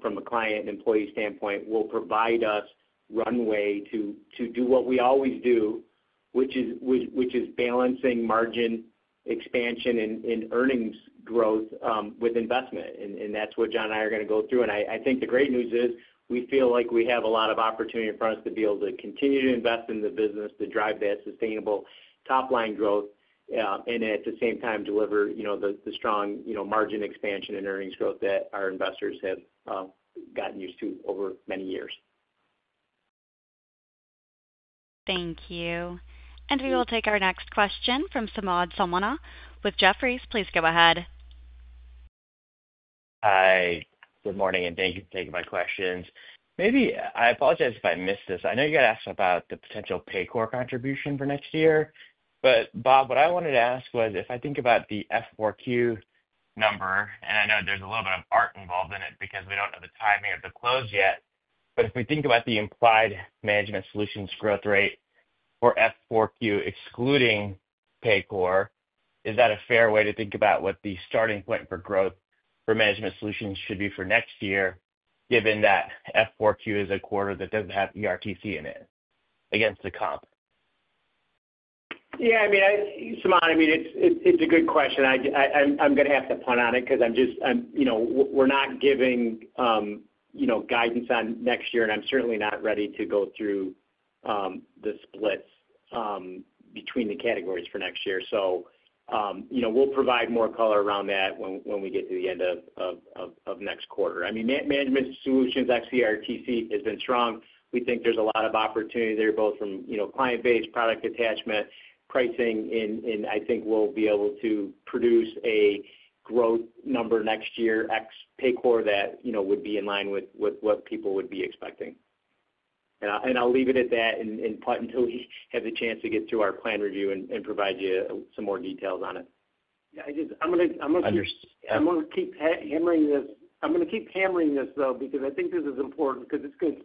from a client and employee standpoint will provide us runway to do what we always do, which is balancing margin expansion and earnings growth with investment. That's what John and I are going to go through. I think the great news is we feel like we have a lot of opportunity in front of us to be able to continue to invest in the business to drive that sustainable top-line growth and, at the same time, deliver the strong margin expansion and earnings growth that our investors have gotten used to over many years. Thank you. We will take our next question from Samad Samana with Jefferies. Please go ahead. Hi. Good morning, and thank you for taking my questions. Maybe I apologize if I missed this. I know you had asked about the potential Paycor contribution for next year. What I wanted to ask was if I think about the F4Q number, and I know there's a little bit of art involved in it because we don't know the timing of the close yet. If we think about the implied management solutions growth rate for F4Q excluding Paycor, is that a fair way to think about what the starting point for growth for management solutions should be for next year, given that F4Q is a quarter that doesn't have ERTC in it against the comp? Yeah. I mean, Samad, I mean, it's a good question. I'm going to have to punt on it because we're not giving guidance on next year, and I'm certainly not ready to go through the splits between the categories for next year. We'll provide more color around that when we get to the end of next quarter. I mean, management solutions ex ERTC has been strong. We think there's a lot of opportunity there, both from client-based product attachment, pricing, and I think we'll be able to produce a growth number next year ex Paycor that would be in line with what people would be expecting. I'll leave it at that until we have the chance to get through our plan review and provide you some more details on it. Yeah. I'm going to keep hammering this, I'm going to keep hammering this, though, because I think this is important because it's going to,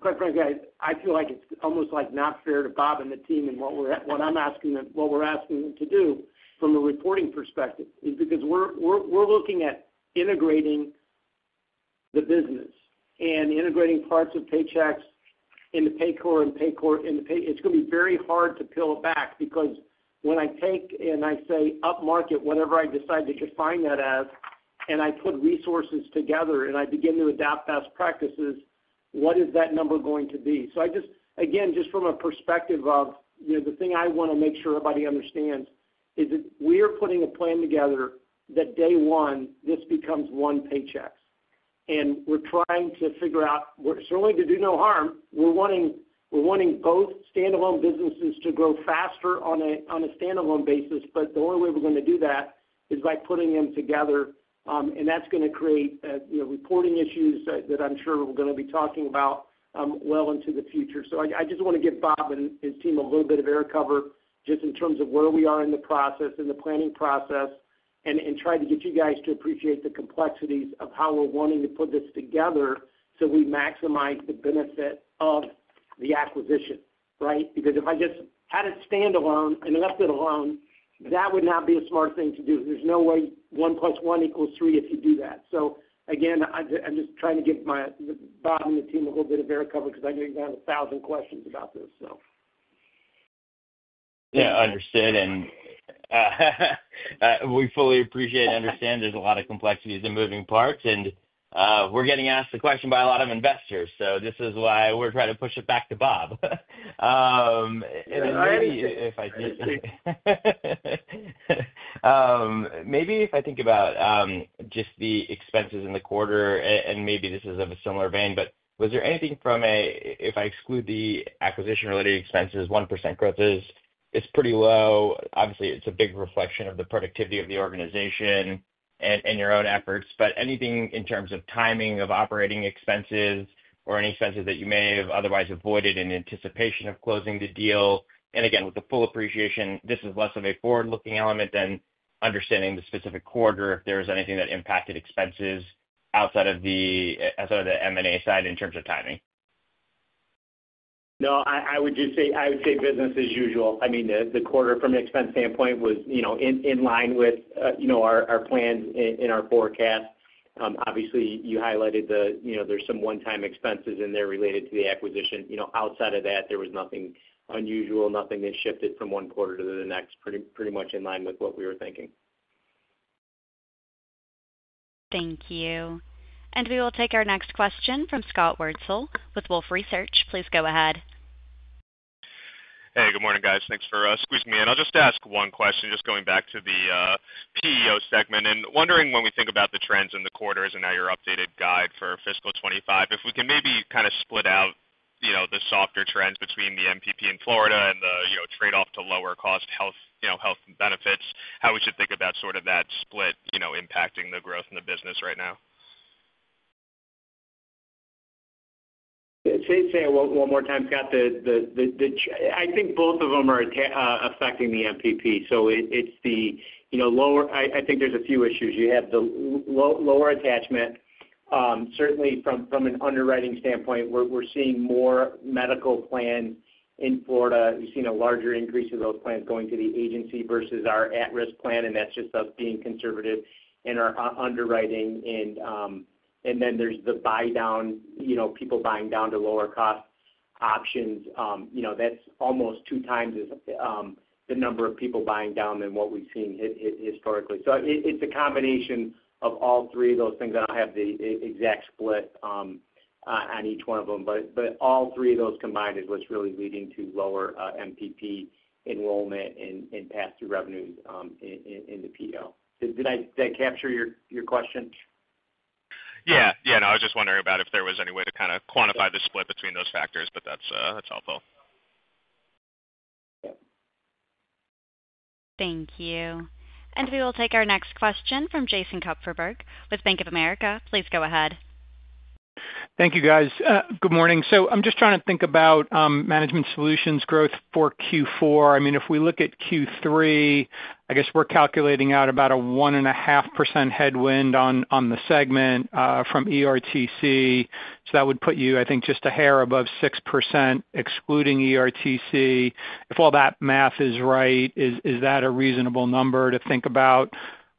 quite frankly, I feel like it's almost like not fair to Bob and the team and what I'm asking them, what we're asking them to do from a reporting perspective is because we're looking at integrating the business and integrating parts of Paychex into Paycor and Paycor it's going to be very hard to peel it back because when I take and I say up-market, whatever I decide to define that as, and I put resources together and I begin to adopt best practices, what is that number going to be? Again, just from a perspective of the thing I want to make sure everybody understands is that we are putting a plan together that day one, this becomes one Paychex. We are trying to figure out certainly to do no harm. We are wanting both standalone businesses to grow faster on a standalone basis, but the only way we are going to do that is by putting them together. That is going to create reporting issues that I am sure we are going to be talking about well into the future. I just want to give Bob and his team a little bit of air cover just in terms of where we are in the process, in the planning process, and try to get you guys to appreciate the complexities of how we are wanting to put this together so we maximize the benefit of the acquisition, right? Because if I just had it standalone and left it alone, that would not be a smart thing to do. There is no way one plus one equals three if you do that. I'm just trying to give Bob and the team a little bit of air cover because I know you've got a thousand questions about this, so. Yeah. Understood. We fully appreciate and understand there's a lot of complexities and moving parts. We're getting asked the question by a lot of investors. This is why we're trying to push it back to Bob. Maybe if I think about just the expenses in the quarter, and maybe this is of a similar vein, was there anything from a, if I exclude the acquisition-related expenses, 1% growth is pretty low. Obviously, it's a big reflection of the productivity of the organization and your own efforts. Anything in terms of timing of operating expenses or any expenses that you may have otherwise avoided in anticipation of closing the deal? Again, with the full appreciation, this is less of a forward-looking element than understanding the specific quarter if there was anything that impacted expenses outside of the M&A side in terms of timing. No, I would just say business as usual. I mean, the quarter from an expense standpoint was in line with our plans and our forecast. Obviously, you highlighted there's some one-time expenses in there related to the acquisition. Outside of that, there was nothing unusual, nothing that shifted from one quarter to the next, pretty much in line with what we were thinking. Thank you. We will take our next question from Scott Wurtzel with Wolfe Research. Please go ahead. Hey, good morning, guys. Thanks for squeezing me in. I'll just ask one question. Just going back to the PEO segment and wondering when we think about the trends in the quarters and now your updated guide for fiscal 2025, if we can maybe kind of split out the softer trends between the MPP in Florida and the trade-off to lower-cost health benefits, how we should think about sort of that split impacting the growth in the business right now. Say it one more time, Scott. I think both of them are affecting the MPP. It is the lower, I think there are a few issues. You have the lower attachment. Certainly, from an underwriting standpoint, we are seeing more medical plans in Florida. We have seen a larger increase of those plans going to the agency versus our at-risk plan, and that is just us being conservative in our underwriting. There is the buy-down, people buying down to lower-cost options. That is almost two times the number of people buying down than what we have seen historically. It is a combination of all three of those things. I do not have the exact split on each one of them. All three of those combined is what is really leading to lower MPP enrollment and pass-through revenues in the PEO. Did I capture your question? Yeah. Yeah. No, I was just wondering about if there was any way to kind of quantify the split between those factors, but that's helpful. Thank you. We will take our next question from Jason Kupferberg with Bank of America. Please go ahead. Thank you, guys. Good morning. I'm just trying to think about management solutions growth for Q4. I mean, if we look at Q3, I guess we're calculating out about a 1.5% headwind on the segment from ERTC. That would put you, I think, just a hair above 6% excluding ERTC. If all that math is right, is that a reasonable number to think about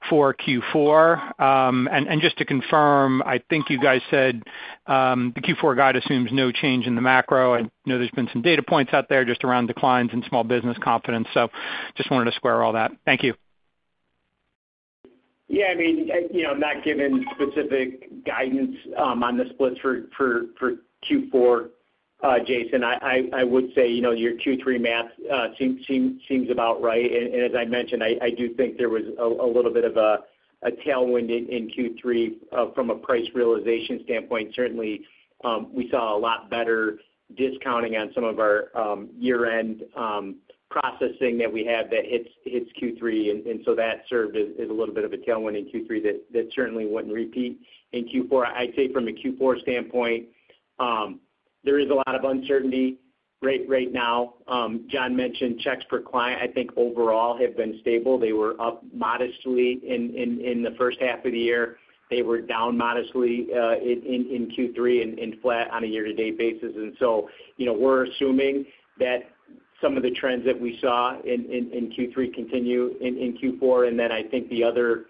for Q4? Just to confirm, I think you guys said the Q4 guide assumes no change in the macro. I know there's been some data points out there just around declines in small business confidence. Just wanted to square all that. Thank you. Yeah. I mean, I'm not giving specific guidance on the splits for Q4, Jason. I would say your Q3 math seems about right. As I mentioned, I do think there was a little bit of a tailwind in Q3 from a price realization standpoint. Certainly, we saw a lot better discounting on some of our year-end processing that we have that hits Q3. That served as a little bit of a tailwind in Q3 that certainly would not repeat in Q4. I would say from a Q4 standpoint, there is a lot of uncertainty right now. John mentioned checks per client, I think overall have been stable. They were up modestly in the first half of the year. They were down modestly in Q3 and flat on a year-to-date basis. We are assuming that some of the trends that we saw in Q3 continue in Q4. I think the other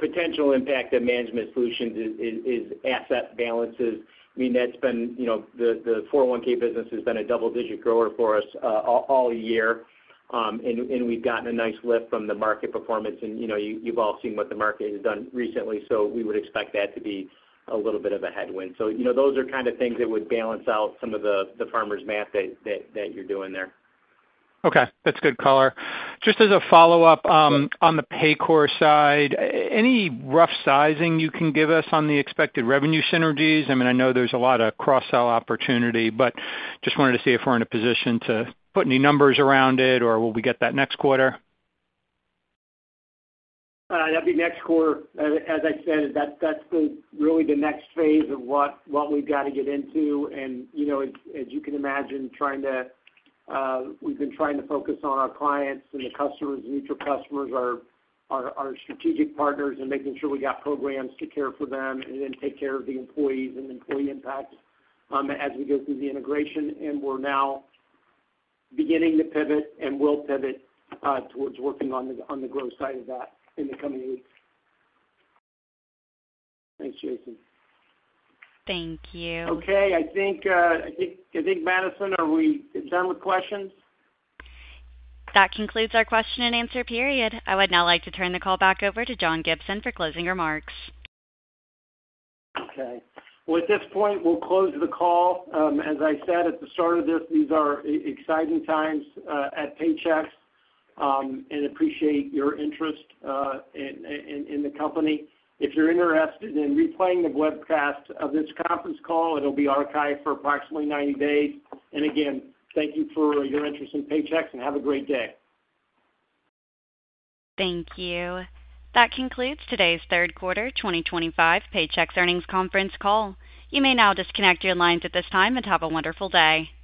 potential impact of management solutions is asset balances. I mean, that's been the 401(k) business has been a double-digit grower for us all year. And we've gotten a nice lift from the market performance. You've all seen what the market has done recently. We would expect that to be a little bit of a headwind. Those are kind of things that would balance out some of the farmer's math that you're doing there. Okay. That's good color. Just as a follow-up on the Paycor side, any rough sizing you can give us on the expected revenue synergies? I mean, I know there's a lot of cross-sell opportunity, but just wanted to see if we're in a position to put any numbers around it or will we get that next quarter? That'd be next quarter. As I said, that's really the next phase of what we've got to get into. As you can imagine, we've been trying to focus on our clients and the neutral customers, our strategic partners, and making sure we got programs to care for them and then take care of the employees and employee impacts as we go through the integration. We're now beginning to pivot and will pivot towards working on the growth side of that in the coming weeks. Thanks, Jason. Thank you. Okay. I think, Madison, are we done with questions? That concludes our question and answer period. I would now like to turn the call back over to John Gibson for closing remarks. Okay. At this point, we'll close the call. As I said at the start of this, these are exciting times at Paychex and appreciate your interest in the company. If you're interested in replaying the webcast of this conference call, it'll be archived for approximately 90 days. Again, thank you for your interest in Paychex and have a great day. Thank you. That concludes today's third quarter 2025 Paychex earnings conference call. You may now disconnect your lines at this time and have a wonderful day.